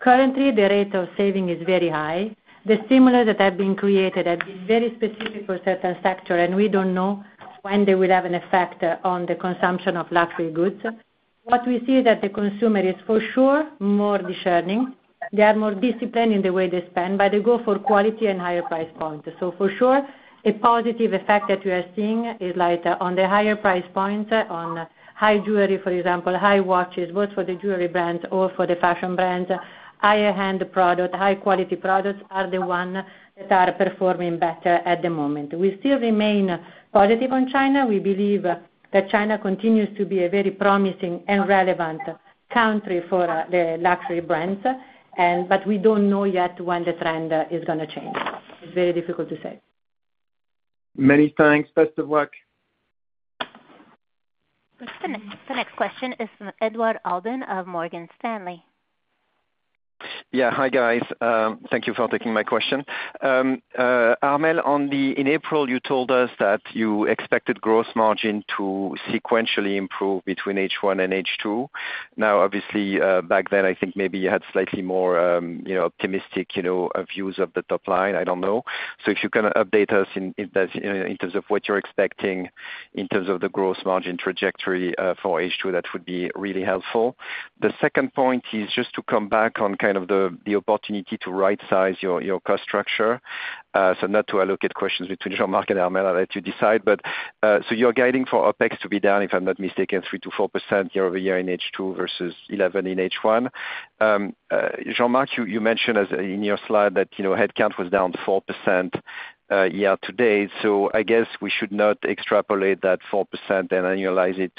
Currently, the rate of saving is very high. The stimulus that has been created has been very specific for certain sectors, and we do not know when they will have an effect on the consumption of luxury goods. What we see is that the consumer is for sure more discerning. They are more disciplined in the way they spend, but they go for quality and higher price points. For sure, a positive effect that we are seeing is on the higher price points, on high jewelry, for example, high watches, both for the jewelry brands or for the fashion brands. Higher-end products, high-quality products are the ones that are performing better at the moment. We still remain positive on China. We believe that China continues to be a very promising and relevant country for the luxury brands, but we do not know yet when the trend is going to change. It is very difficult to say. M`any thanks. Best of luck. The next question is from Edward Alden of Morgan Stanley. Yeah. Hi, guys. Thank you for taking my question. Armelle, in April, you told us that you expected gross margin to sequentially improve between H1 and H2. Now, obviously, back then, I think maybe you had slightly more optimistic views of the top line. I do not know. If you can update us in terms of what you are expecting in terms of the gross margin trajectory for H2, that would be really helpful. The second point is just to come back on kind of the opportunity to right-size your cost structure. Not to allocate questions between Jean-Marc and Armelle. I will let you decide. You are guiding for OPEX to be down, if I am not mistaken, 3%-4% year over year in H2 versus 11% in H1. Jean-Marc, you mentioned in your slide that headcount was down 4% year to date. I guess we should not extrapolate that 4% and annualize it.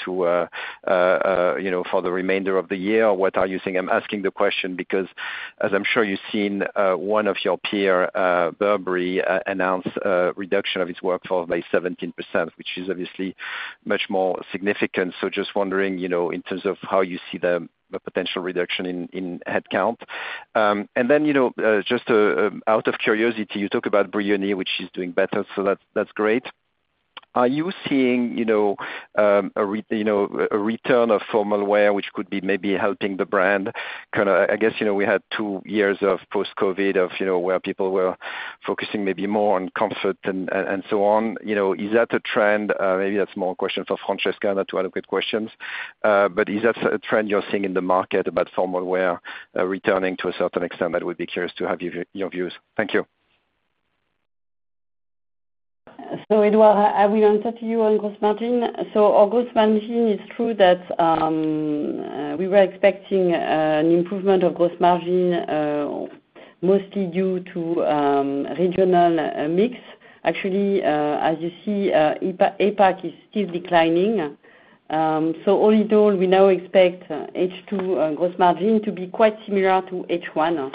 For the remainder of the year, what are you thinking? I am asking the question because, as I am sure you have seen, one of your peers, Burberry, announced a reduction of its workforce by 17%, which is obviously much more significant. Just wondering in terms of how you see the potential reduction in headcount. Out of curiosity, you talk about Brioni, which is doing better. That is great. Are you seeing a return of formal wear, which could be maybe helping the brand? I guess we had two years of post-COVID where people were focusing maybe more on comfort and so on. Is that a trend? Maybe that is more a question for Francesca, not to allocate questions. Is that a trend you are seeing in the market about formal wear returning to a certain extent? I would be curious to have your views. Thank you. Eduard, I will answer to you on gross margin. On gross margin, it is true that we were expecting an improvement of gross margin, mostly due to regional mix. Actually, as you see, Asia-Pacific is still declining. All in all, we now expect H2 gross margin to be quite similar to H1.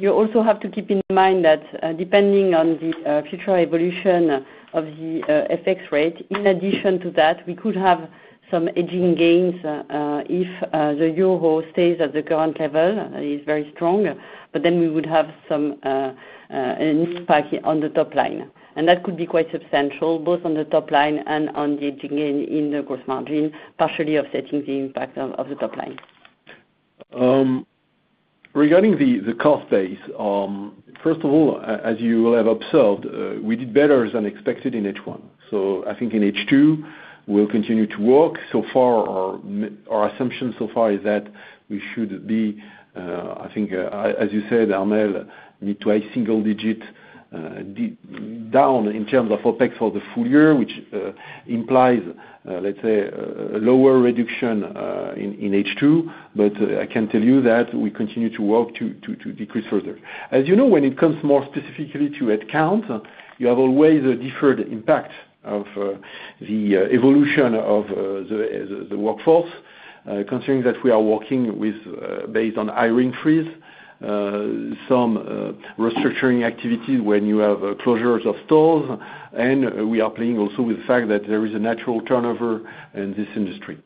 You also have to keep in mind that depending on the future evolution of the FX rate, in addition to that, we could have some hedging gains if the euro stays at the current level, is very strong, but then we would have some impact on the top line. That could be quite substantial, both on the top line and on the hedging gain in the gross margin, partially offsetting the impact of the top line. Regarding the cost base, first of all, as you will have observed, we did better than expected in H1. I think in H2, we will continue to work. So far, our assumption so far is that we should be, I think, as you said, Armelle, mid to high single digit. Down in terms of OPEX for the full year, which implies, let's say, a lower reduction in H2. I can tell you that we continue to work to decrease further. As you know, when it comes more specifically to headcount, you always have a deferred impact of the evolution of the workforce. Considering that we are working based on hiring freeze, some restructuring activities when you have closures of stores, and we are playing also with the fact that there is a natural turnover in this industry.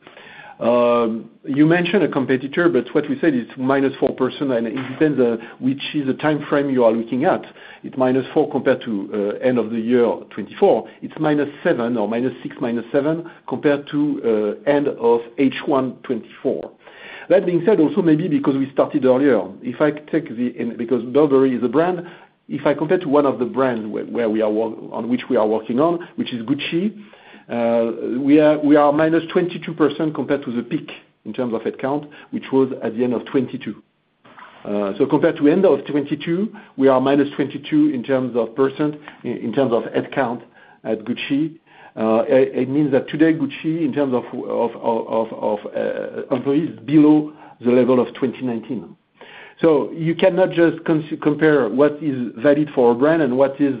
You mentioned a competitor, but what we said is -4%, and it depends on which is the timeframe you are looking at. It is -4% compared to end of the year 2024. It is -6% or -7% compared to end of H1 2024. That being said, also maybe because we started earlier, if I take the, because Burberry is a brand, if I compare to one of the brands on which we are working on, which is Gucci, we are -22% compared to the peak in terms of headcount, which was at the end of 2022. So compared to end of 2022, we are -22% in terms of headcount at Gucci. It means that today, Gucci, in terms of employees, is below the level of 2019. You cannot just compare what is valid for a brand and what is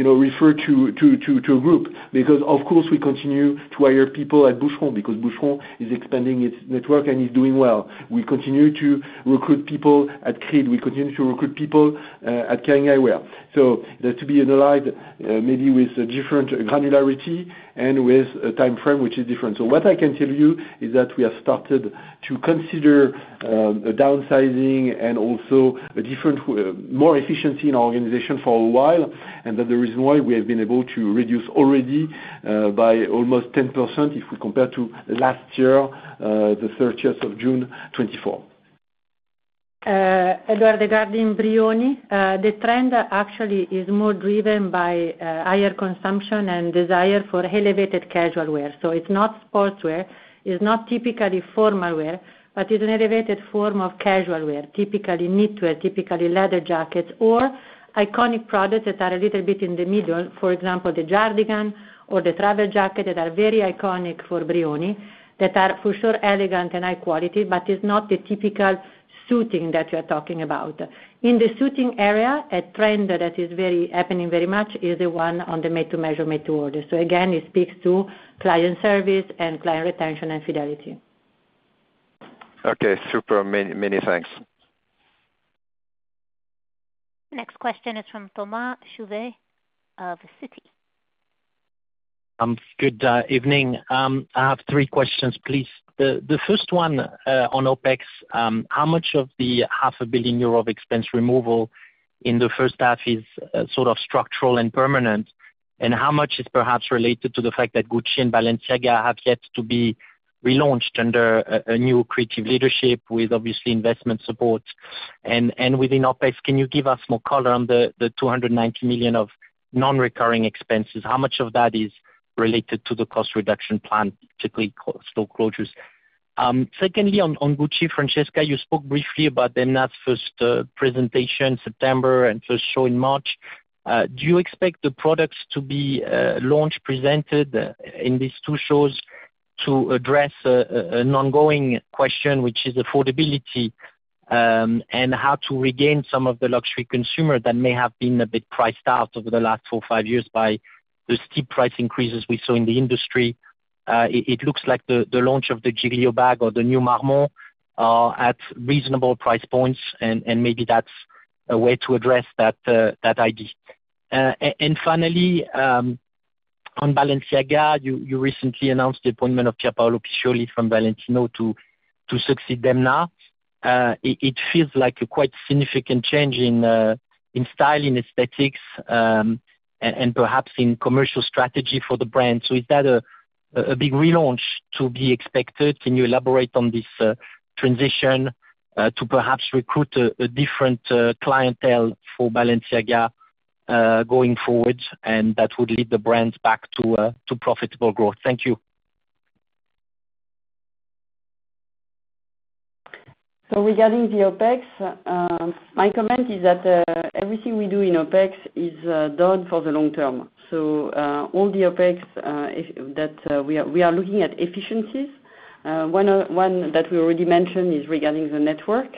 referred to a group. Of course, we continue to hire people at Boucheron because Boucheron is expanding its network and is doing well. We continue to recruit people at Creed. We continue to recruit people at Kering Eyewear. It has to be analyzed maybe with different granularity and with a timeframe which is different. What I can tell you is that we have started to consider downsizing and also a different, more efficiency in our organization for a while, and that is the reason why we have been able to reduce already by almost 10% if we compare to last year, the June 30th 2024. Eduard, regarding Brioni, the trend actually is more driven by higher consumption and desire for elevated casual wear. It is not sportswear. It is not typically formal wear, but it is an elevated form of casual wear, typically knitwear, typically leather jackets, or iconic products that are a little bit in the middle, for example, the Jardigan or the travel jacket that are very iconic for Brioni, that are for sure elegant and high quality, but it is not the typical suiting that we are talking about. In the suiting area, a trend that is happening very much is the one on the made-to-measure, made-to-order. So again, it speaks to client service and client retention and fidelity. Okay. Super. Many thanks. Next question is from Thomas Chauvet of Citi. Good evening. I have three questions, please. The first one on OpEx, how much of the 500 million euro of expense removal in the first half is sort of structural and permanent, and how much is perhaps related to the fact that Gucci and Balenciaga have yet to be relaunched under a new creative leadership with obviously investment support? And within OpEx, can you give us more color on the 290 million of non-recurring expenses? How much of that is related to the cost reduction plan, typically store closures? Secondly, on Gucci, Francesca, you spoke briefly about Demna's first presentation in September and first show in March. Do you expect the products to be launched, presented in these two shows to address an ongoing question, which is affordability, and how to regain some of the luxury consumer that may have been a bit priced out over the last four or five years by the steep price increases we saw in the industry? It looks like the launch of the Giglio bag or the new Marmont at reasonable price points, and maybe that's a way to address that idea. And finally, on Balenciaga, you recently announced the appointment of Pierpaolo Piccioli from Valentino to succeed Demna. It feels like a quite significant change in style, in aesthetics, and perhaps in commercial strategy for the brand. Is that a big relaunch to be expected? Can you elaborate on this transition to perhaps recruit a different clientele for Balenciaga going forward, and that would lead the brand back to profitable growth? Thank you. Regarding the OpEx, my comment is that everything we do in OpEx is done for the long term. All the OpEx that we are looking at efficiencies. One that we already mentioned is regarding the network.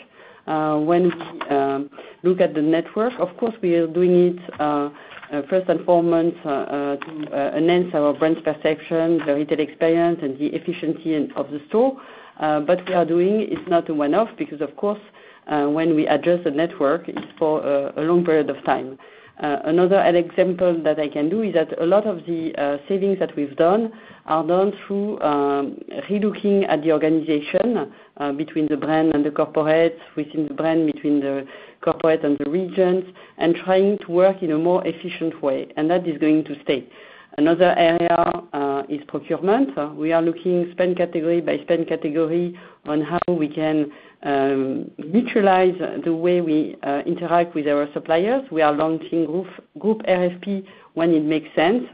When we look at the network, of course, we are doing it first and foremost to enhance our brand's perception, the retail experience, and the efficiency of the store. What we are doing is not a one-off because, of course, when we adjust the network, it's for a long period of time. Another example that I can do is that a lot of the savings that we've done are done through relooking at the organization between the brand and the corporate, within the brand, between the corporate and the regions, and trying to work in a more efficient way. That is going to stay. Another area is procurement. We are looking spend category by spend category on how we can mutualize the way we interact with our suppliers. We are launching group RFP when it makes sense,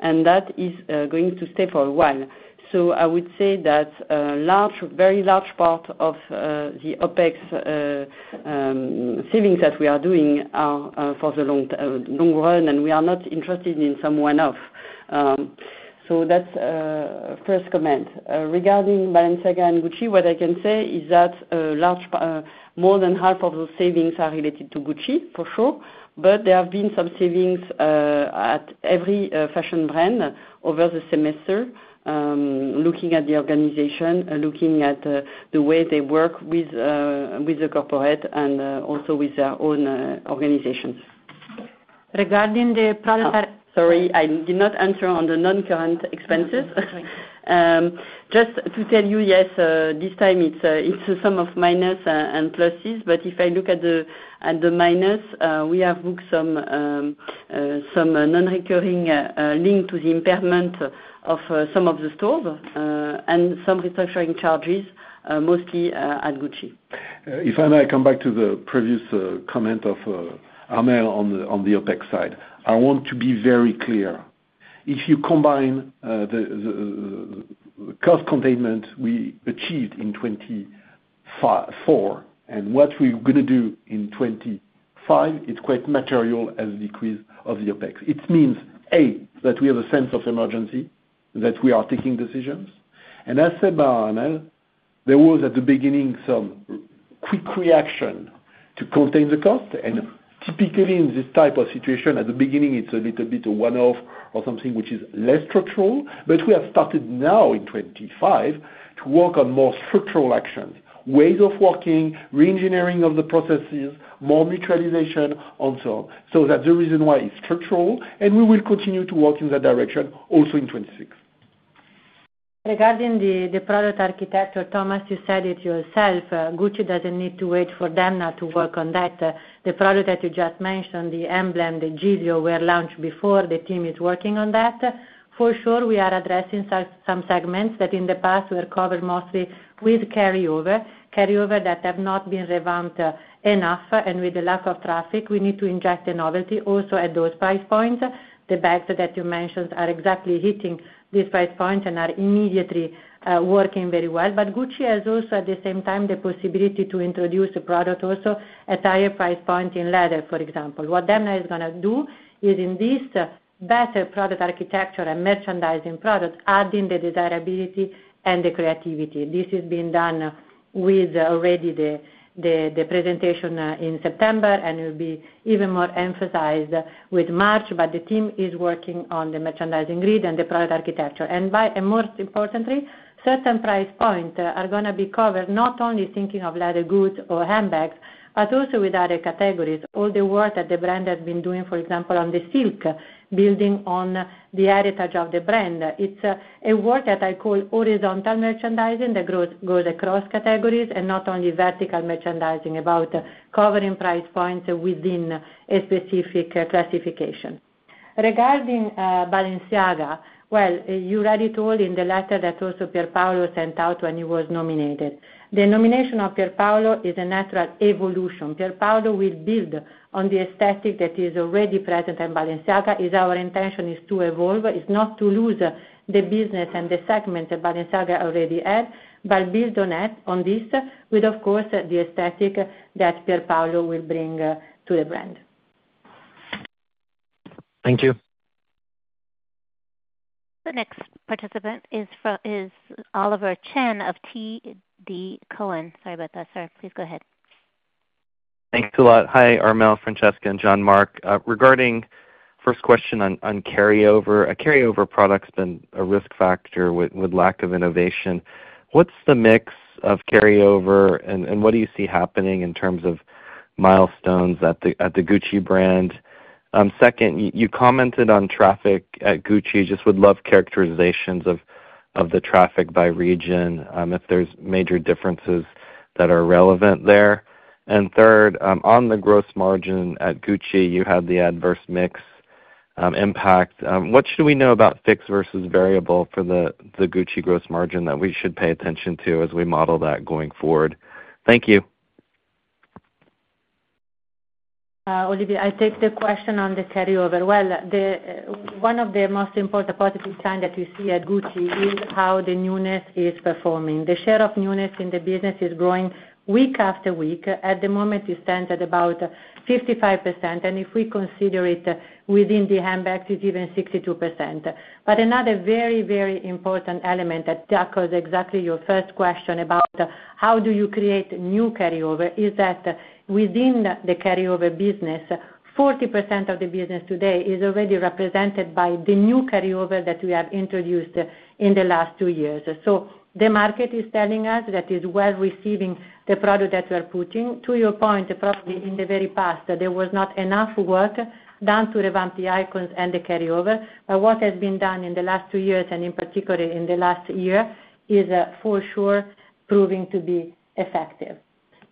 and that is going to stay for a while. I would say that a very large part of the OPEX savings that we are doing are for the long run, and we are not interested in some one-off. That is the first comment. Regarding Balenciaga and Gucci, what I can say is that more than half of those savings are related to Gucci, for sure. There have been some savings at every fashion brand over the semester, looking at the organization, looking at the way they work with the corporate, and also with their own organizations. Regarding the product. Sorry, I did not answer on the non-current expenses. Just to tell you, yes, this time, it's some of minus and pluses. If I look at the minus, we have booked some non-recurring linked to the impairment of some of the stores and some restructuring charges, mostly at Gucci. If I may come back to the previous comment of Armelle on the OPEX side, I want to be very clear. If you combine the cost containment we achieved in 2024 and what we're going to do in 2025, it's quite material as a decrease of the OPEX. It means, A, that we have a sense of emergency, that we are taking decisions. As said by Armelle, there was at the beginning some quick reaction to contain the cost. Typically, in this type of situation, at the beginning, it's a little bit of one-off or something which is less structural. We have started now in 2025 to work on more structural actions, ways of working, re-engineering of the processes, more mutualization, and so on. That is the reason why it's structural. We will continue to work in that direction also in 2026. Regarding the product architecture, Thomas, you said it yourself. Gucci doesn't need to wait for them now to work on that. The product that you just mentioned, the emblem, the Giglio wear launched before, the team is working on that. For sure, we are addressing some segments that in the past were covered mostly with carryover, carryover that have not been revamped enough and with the lack of traffic. We need to inject a novelty also at those price points. The bags that you mentioned are exactly hitting these price points and are immediately working very well. Gucci has also, at the same time, the possibility to introduce a product also at a higher price point in leather, for example. What they are now going to do is, in this better product architecture and merchandising product, adding the desirability and the creativity. This has been done with already the presentation in September, and it will be even more emphasized with March, but the team is working on the merchandising grid and the product architecture. Most importantly, certain price points are going to be covered, not only thinking of leather goods or handbags, but also with other categories. All the work that the brand has been doing, for example, on the silk, building on the heritage of the brand. It is a work that I call horizontal merchandising that goes across categories and not only vertical merchandising, about covering price points within a specific classification. Regarding Balenciaga, you already told in the letter that also Pierpaolo sent out when he was nominated. The nomination of Pierpaolo is a natural evolution. Pierpaolo will build on the aesthetic that is already present in Balenciaga. Our intention is to evolve. It is not to lose the business and the segments that Balenciaga already had, but build on this with, of course, the aesthetic that Pierpaolo will bring to the brand. Thank you. The next participant is Oliver Chen of TD Cowen. Sorry about that, sir. Please go ahead. Thanks a lot. Hi, Armelle, Francesca, and Jean-Marc. Regarding first question on carryover, a carryover product has been a risk factor with lack of innovation. What is the mix of carryover, and what do you see happening in terms of milestones at the Gucci brand? Second, you commented on traffic at Gucci. Just would love characterizations of the traffic by region, if there are major differences that are relevant there. Third, on the gross margin at Gucci, you had the adverse mix impact. What should we know about fixed versus variable for the Gucci gross margin that we should pay attention to as we model that going forward? Thank you. Oliver, I take the question on the carryover. One of the most important positive signs that you see at Gucci is how the newness is performing. The share of newness in the business is growing week after week. At the moment, it stands at about 55%. If we consider it within the handbags, it is even 62%. Another very, very important element that tackles exactly your first question about how do you create new carryover is that within the carryover business. 40% of the business today is already represented by the new carryover that we have introduced in the last two years. The market is telling us that it is well receiving the product that we are putting. To your point, probably in the very past, there was not enough work done to revamp the icons and the carryover. What has been done in the last two years, and in particular in the last year, is for sure proving to be effective.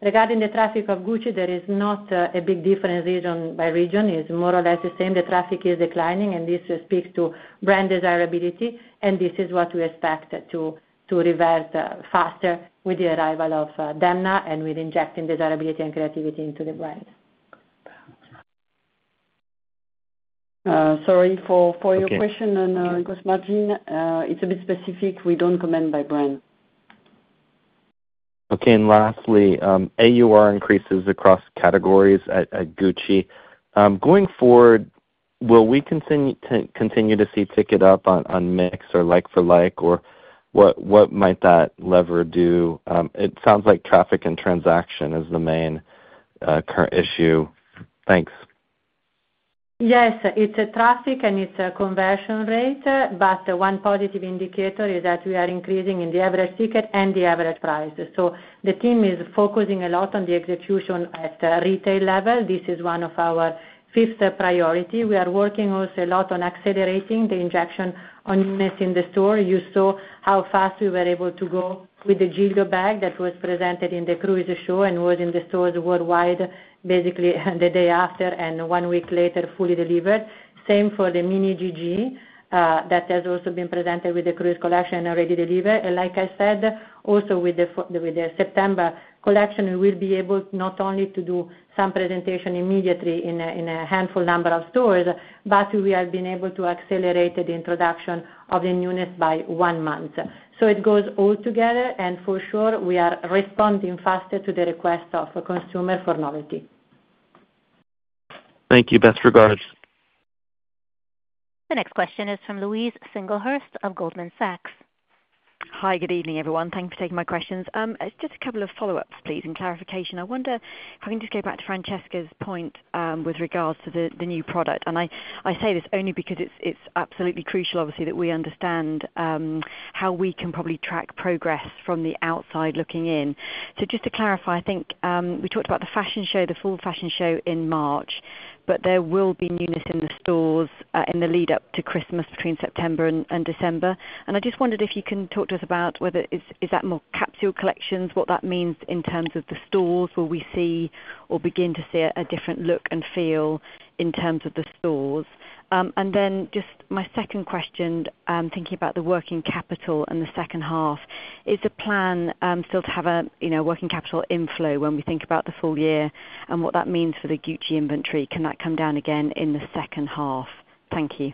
Regarding the traffic of Gucci, there is not a big difference region by region. It is more or less the same. The traffic is declining, and this speaks to brand desirability. This is what we expect to revert faster with the arrival of Demna and with injecting desirability and creativity into the brand. Sorry for your question. Gross margin, it is a bit specific. We do not comment by brand. Okay. Lastly, AUR increases across categories at Gucci. Going forward, will we continue to see ticket up on mix or like-for-like, or what might that lever do? It sounds like traffic and transaction is the main current issue. Thanks. Yes. It is traffic, and it is a conversion rate. One positive indicator is that we are increasing in the average ticket and the average price. The team is focusing a lot on the execution at the retail level. This is one of our fifth priorities. We are working also a lot on accelerating the injection on newness in the store. You saw how fast we were able to go with the Giglio bag that was presented in the Cruise Show and was in the stores worldwide, basically the day after and one week later fully delivered. Same for the Mini GG that has also been presented with the Cruise Collection and already delivered. Like I said, also with the September collection, we will be able not only to do some presentation immediately in a handful number of stores, but we have been able to accelerate the introduction of the newness by one month. It goes all together. For sure, we are responding faster to the request of consumer for novelty. Thank you. Best regards. The next question is from Louise Singlehurst of Goldman Sachs. Hi. Good evening, everyone. Thanks for taking my questions. Just a couple of follow-ups, please, and clarification. I wonder if I can just go back to Francesca's point with regards to the new product. I say this only because it is absolutely crucial, obviously, that we understand how we can probably track progress from the outside looking in. Just to clarify, I think we talked about the fashion show, the full fashion show in March, but there will be newness in the stores in the lead-up to Christmas between September and December. I just wondered if you can talk to us about whether that is more capsule collections, what that means in terms of the stores. Will we see or begin to see a different look and feel in terms of the stores? My second question, thinking about the working capital and the second half, is the plan still to have a working capital inflow when we think about the full year and what that means for the Gucci inventory? Can that come down again in the second half? Thank you.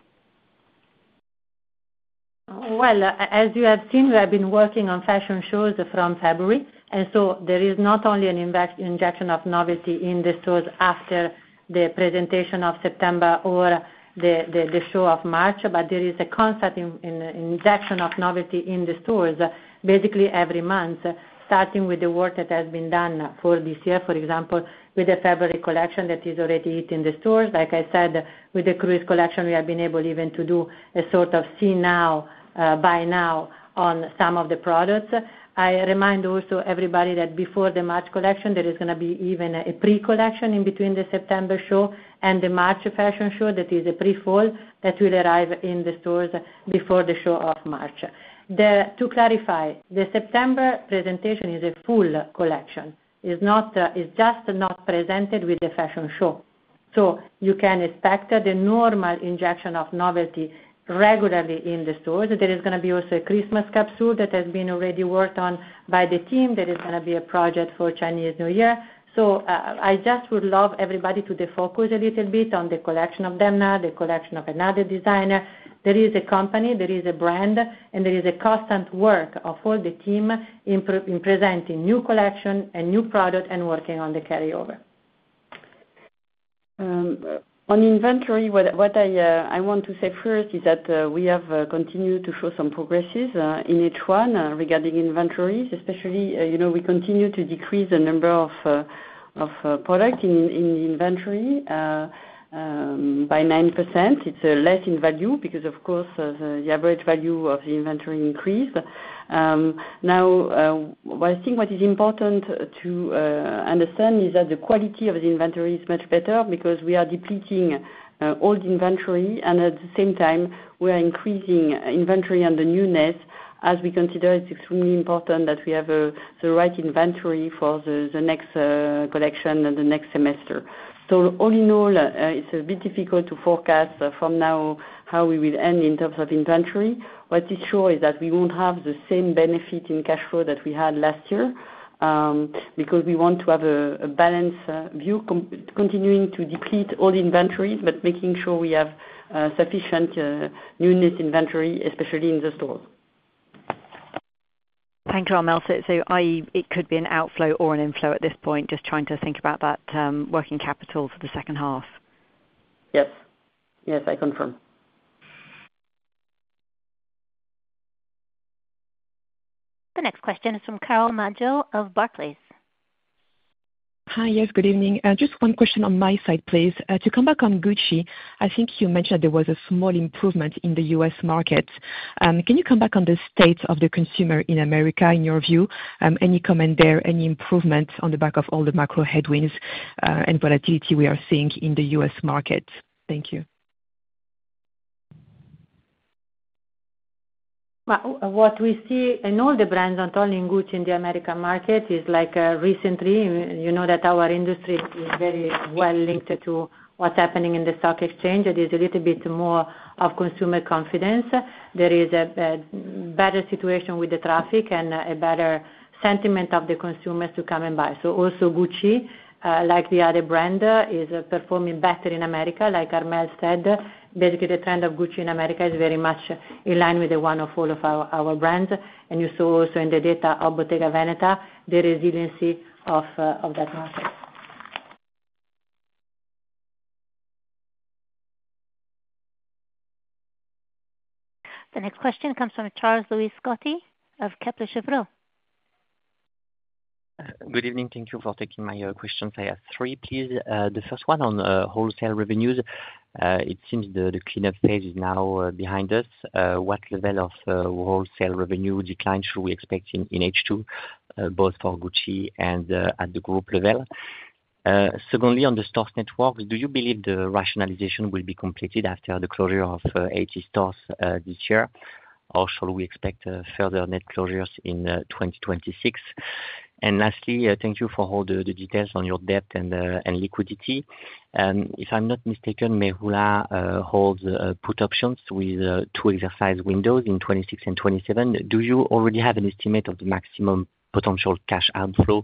As you have seen, we have been working on fashion shows from February. There is not only an injection of novelty in the stores after the presentation of September or the show of March, but there is a constant injection of novelty in the stores, basically every month, starting with the work that has been done for this year, for example, with the February collection that is already hitting the stores. Like I said, with the Cruise Collection, we have been able even to do a sort of see now, buy now on some of the products. I remind also everybody that before the March collection, there is going to be even a pre-collection in between the September show and the March fashion show that is a pre-fall that will arrive in the stores before the show of March. To clarify, the September presentation is a full collection. It is just not presented with the fashion show. You can expect the normal injection of novelty regularly in the stores. There is going to be also a Christmas capsule that has been already worked on by the team. There is going to be a project for Chinese New Year. I just would love everybody to focus a little bit on the collection of Demna, the collection of another designer. There is a company, there is a brand, and there is a constant work of all the team in presenting new collection and new product and working on the carryover. On inventory, what I want to say first is that we have continued to show some progress in each one regarding inventories, especially we continue to decrease the number of products in the inventory by 9%. It is less in value because, of course, the average value of the inventory increased. Now, what I think is important to. Understand is that the quality of the inventory is much better because we are depleting old inventory, and at the same time, we are increasing inventory on the newness as we consider it's extremely important that we have the right inventory for the next collection and the next semester. All in all, it's a bit difficult to forecast from now how we will end in terms of inventory. What is sure is that we won't have the same benefit in cash flow that we had last year. Because we want to have a balanced view, continuing to deplete all inventories, but making sure we have sufficient newness inventory, especially in the stores. Thank you, Armelle. It could be an outflow or an inflow at this point, just trying to think about that working capital for the second half. Yes. Yes, I confirm. The next question is from Carole Madjo of Barclays. Hi, yes, good evening. Just one question on my side, please. To come back on Gucci, I think you mentioned there was a small improvement in the U.S. market. Can you come back on the state of the consumer in America, in your view? Any comment there? Any improvement on the back of all the macro headwinds and volatility we are seeing in the U.S. market? Thank you. What we see in all the brands and all in Gucci in the American market is recently that our industry is very well linked to what's happening in the stock exchange. It is a little bit more of consumer confidence. There is a better situation with the traffic and a better sentiment of the consumers to come and buy. Gucci, like the other brand, is performing better in America. Like Armelle said, basically, the trend of Gucci in America is very much in line with the one of all of our brands. You saw also in the data of Bottega Veneta, the resiliency of that market. The next question comes from Charles-Louis Scotti of Kepler Cheuvreux. Good evening. Thank you for taking my questions. I have three, please. The first one on wholesale revenues. It seems the cleanup phase is now behind us. What level of wholesale revenue decline should we expect in H2, both for Gucci and at the group level? Secondly, on the stores network, do you believe the rationalization will be completed after the closure of 80 stores this year, or shall we expect further net closures in 2026? Lastly, thank you for all the details on your debt and liquidity. If I'm not mistaken, Mayhoola holds put options with two exercise windows in 2026 and 2027. Do you already have an estimate of the maximum potential cash outflow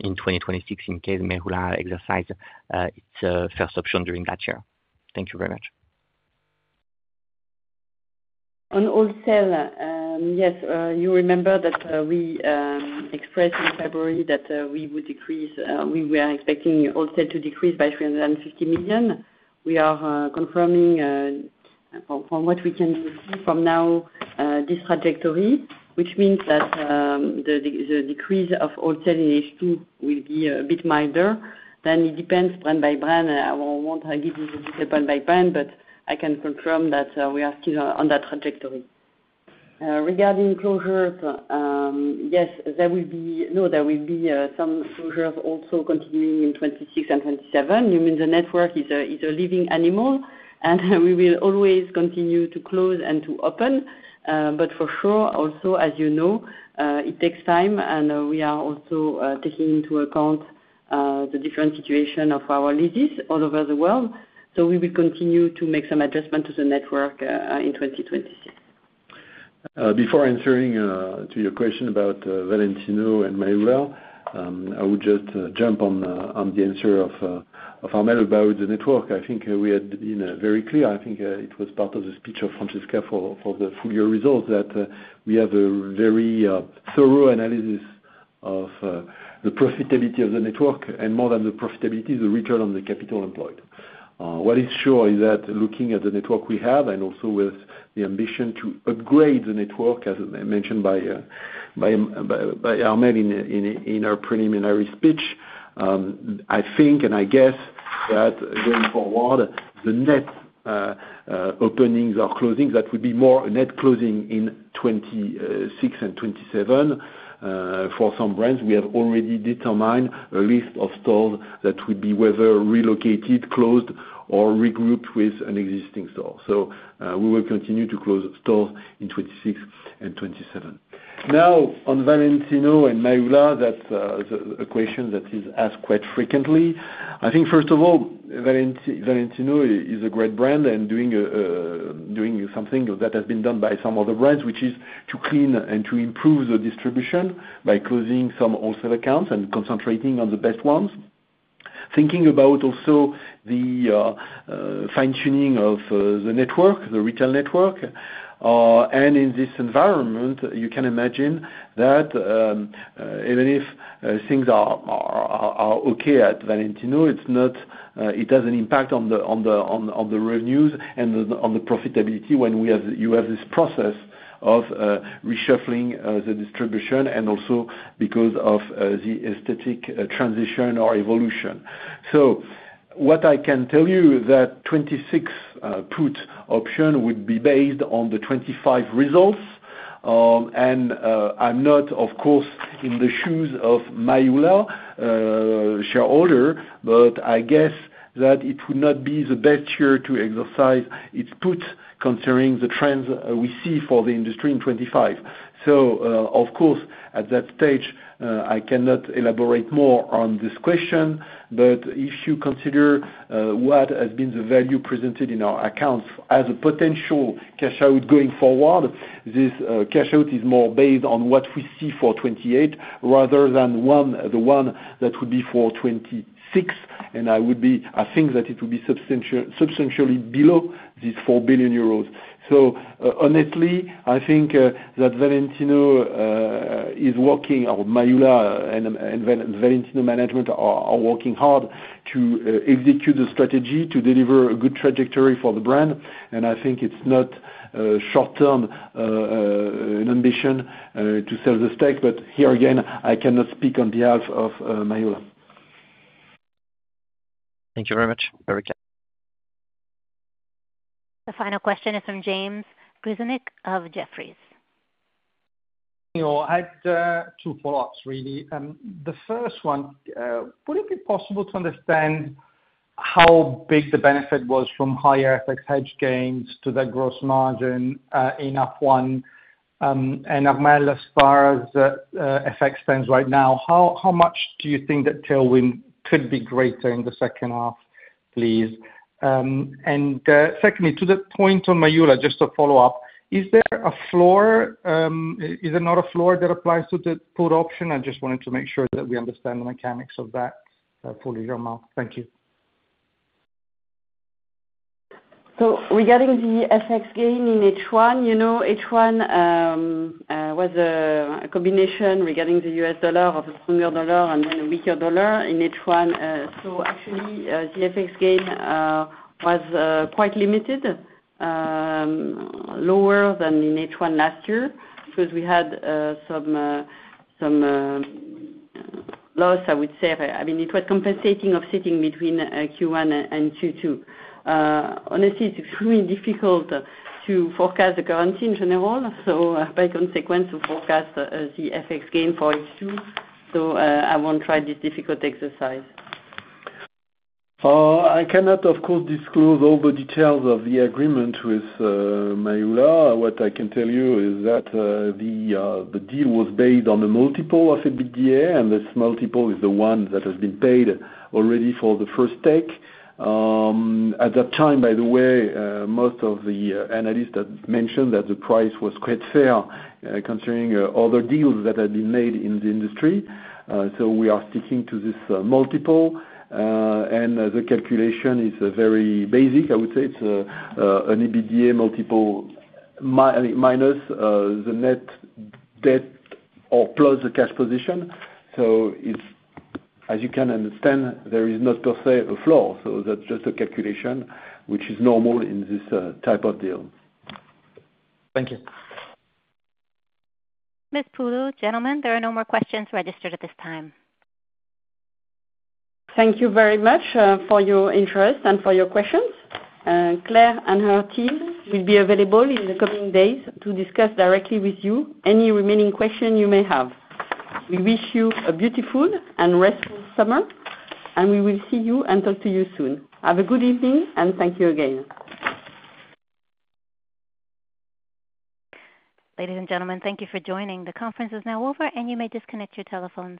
in 2026 in case Mayhoola exercises its first option during that year? Thank you very much. On wholesale, yes, you remember that we expressed in February that we were expecting wholesale to decrease by 350 million. We are confirming from what we can see from now this trajectory, which means that the decrease of wholesale in H2 will be a bit milder. It depends brand by brand. I won't give you the detail brand by brand, but I can confirm that we are still on that trajectory. Regarding closures, yes, there will be some closures also continuing in 2026 and 2027. You mean the network is a living animal, and we will always continue to close and to open. For sure, also, as you know, it takes time, and we are also taking into account the different situation of our leases all over the world. We will continue to make some adjustments to the network in 2026. Before answering your question about Valentino and Mayhoola, I would just jump on the answer of Armelle about the network. I think we had been very clear. I think it was part of the speech of Francesca for the full year results that we have a very thorough analysis of the profitability of the network, and more than the profitability, the return on the capital employed. What is sure is that looking at the network we have and also with the ambition to upgrade the network, as mentioned by Armelle in her preliminary speech, I think and I guess that going forward, the net openings or closings, that would be more net closing in 2026 and 2027. For some brands, we have already determined a list of stores that would be whether relocated, closed, or regrouped with an existing store. We will continue to close stores in 2026 and 2027. Now, on Valentino and Mayhoola, that's a question that is asked quite frequently. I think, first of all, Valentino is a great brand and doing something that has been done by some other brands, which is to clean and to improve the distribution by closing some wholesale accounts and concentrating on the best ones. Thinking about also the fine-tuning of the network, the retail network. In this environment, you can imagine that even if things are okay at Valentino, it doesn't impact on the revenues and on the profitability when you have this process of reshuffling the distribution and also because of the aesthetic transition or evolution. What I can tell you is that the 2026 put option would be based on the 2025 results. I am not, of course, in the shoes of Mayhoola shareholder, but I guess that it would not be the best year to exercise its put considering the trends we see for the industry in 2025. At that stage, I cannot elaborate more on this question. If you consider what has been the value presented in our accounts as a potential cash out going forward, this cash out is more based on what we see for 2028 rather than the one that would be for 2026. I think that it would be substantially below these 4 billion euros. Honestly, I think that Valentino, or Mayhoola and Valentino management, are working hard to execute the strategy to deliver a good trajectory for the brand. I think it is not short-term an ambition to sell the stake. Here again, I cannot speak on behalf of Mayhoola. Thank you very much. Very kind. The final question is from James Grzinic of Jefferies. I had two follow-ups, really. The first one, would it be possible to understand how big the benefit was from higher FX hedge gains to the gross margin in H1? Armelle, as far as FX stands right now, how much do you think that tailwind could be greater in the second half, please? Secondly, to the point on Mayhoola, just to follow up, is there a floor? Is there not a floor that applies to the put option? I just wanted to make sure that we understand the mechanics of that fully. Thank you. Regarding the FX gain in H1, H1 was a combination regarding the US dollar of a stronger dollar and then a weaker dollar in H1. Actually, the FX gain was quite limited, lower than in H1 last year because we had some loss, I would say. I mean, it was compensating, sitting between Q1 and Q2. Honestly, it is extremely difficult to forecast the currency in general, so by consequence, to forecast the FX gain for H2. I will not try this difficult exercise. I cannot, of course, disclose all the details of the agreement with Mayhoola. What I can tell you is that the deal was based on the multiple of EBITDA, and this multiple is the one that has been paid already for the first stake. At that time, by the way, most of the analysts had mentioned that the price was quite fair considering other deals that had been made in the industry. We are sticking to this multiple. The calculation is very basic, I would say. It is an EBITDA multiple minus the net debt or plus the cash position. As you can understand, there is not per se a floor. So that's just a calculation, which is normal in this type of deal. Thank you. Ms. Poulou, gentlemen, there are no more questions registered at this time. Thank you very much for your interest and for your questions. Claire and her team will be available in the coming days to discuss directly with you any remaining questions you may have. We wish you a beautiful and restful summer, and we will see you and talk to you soon. Have a good evening, and thank you again. Ladies and gentlemen, thank you for joining. The conference is now over, and you may disconnect your telephones.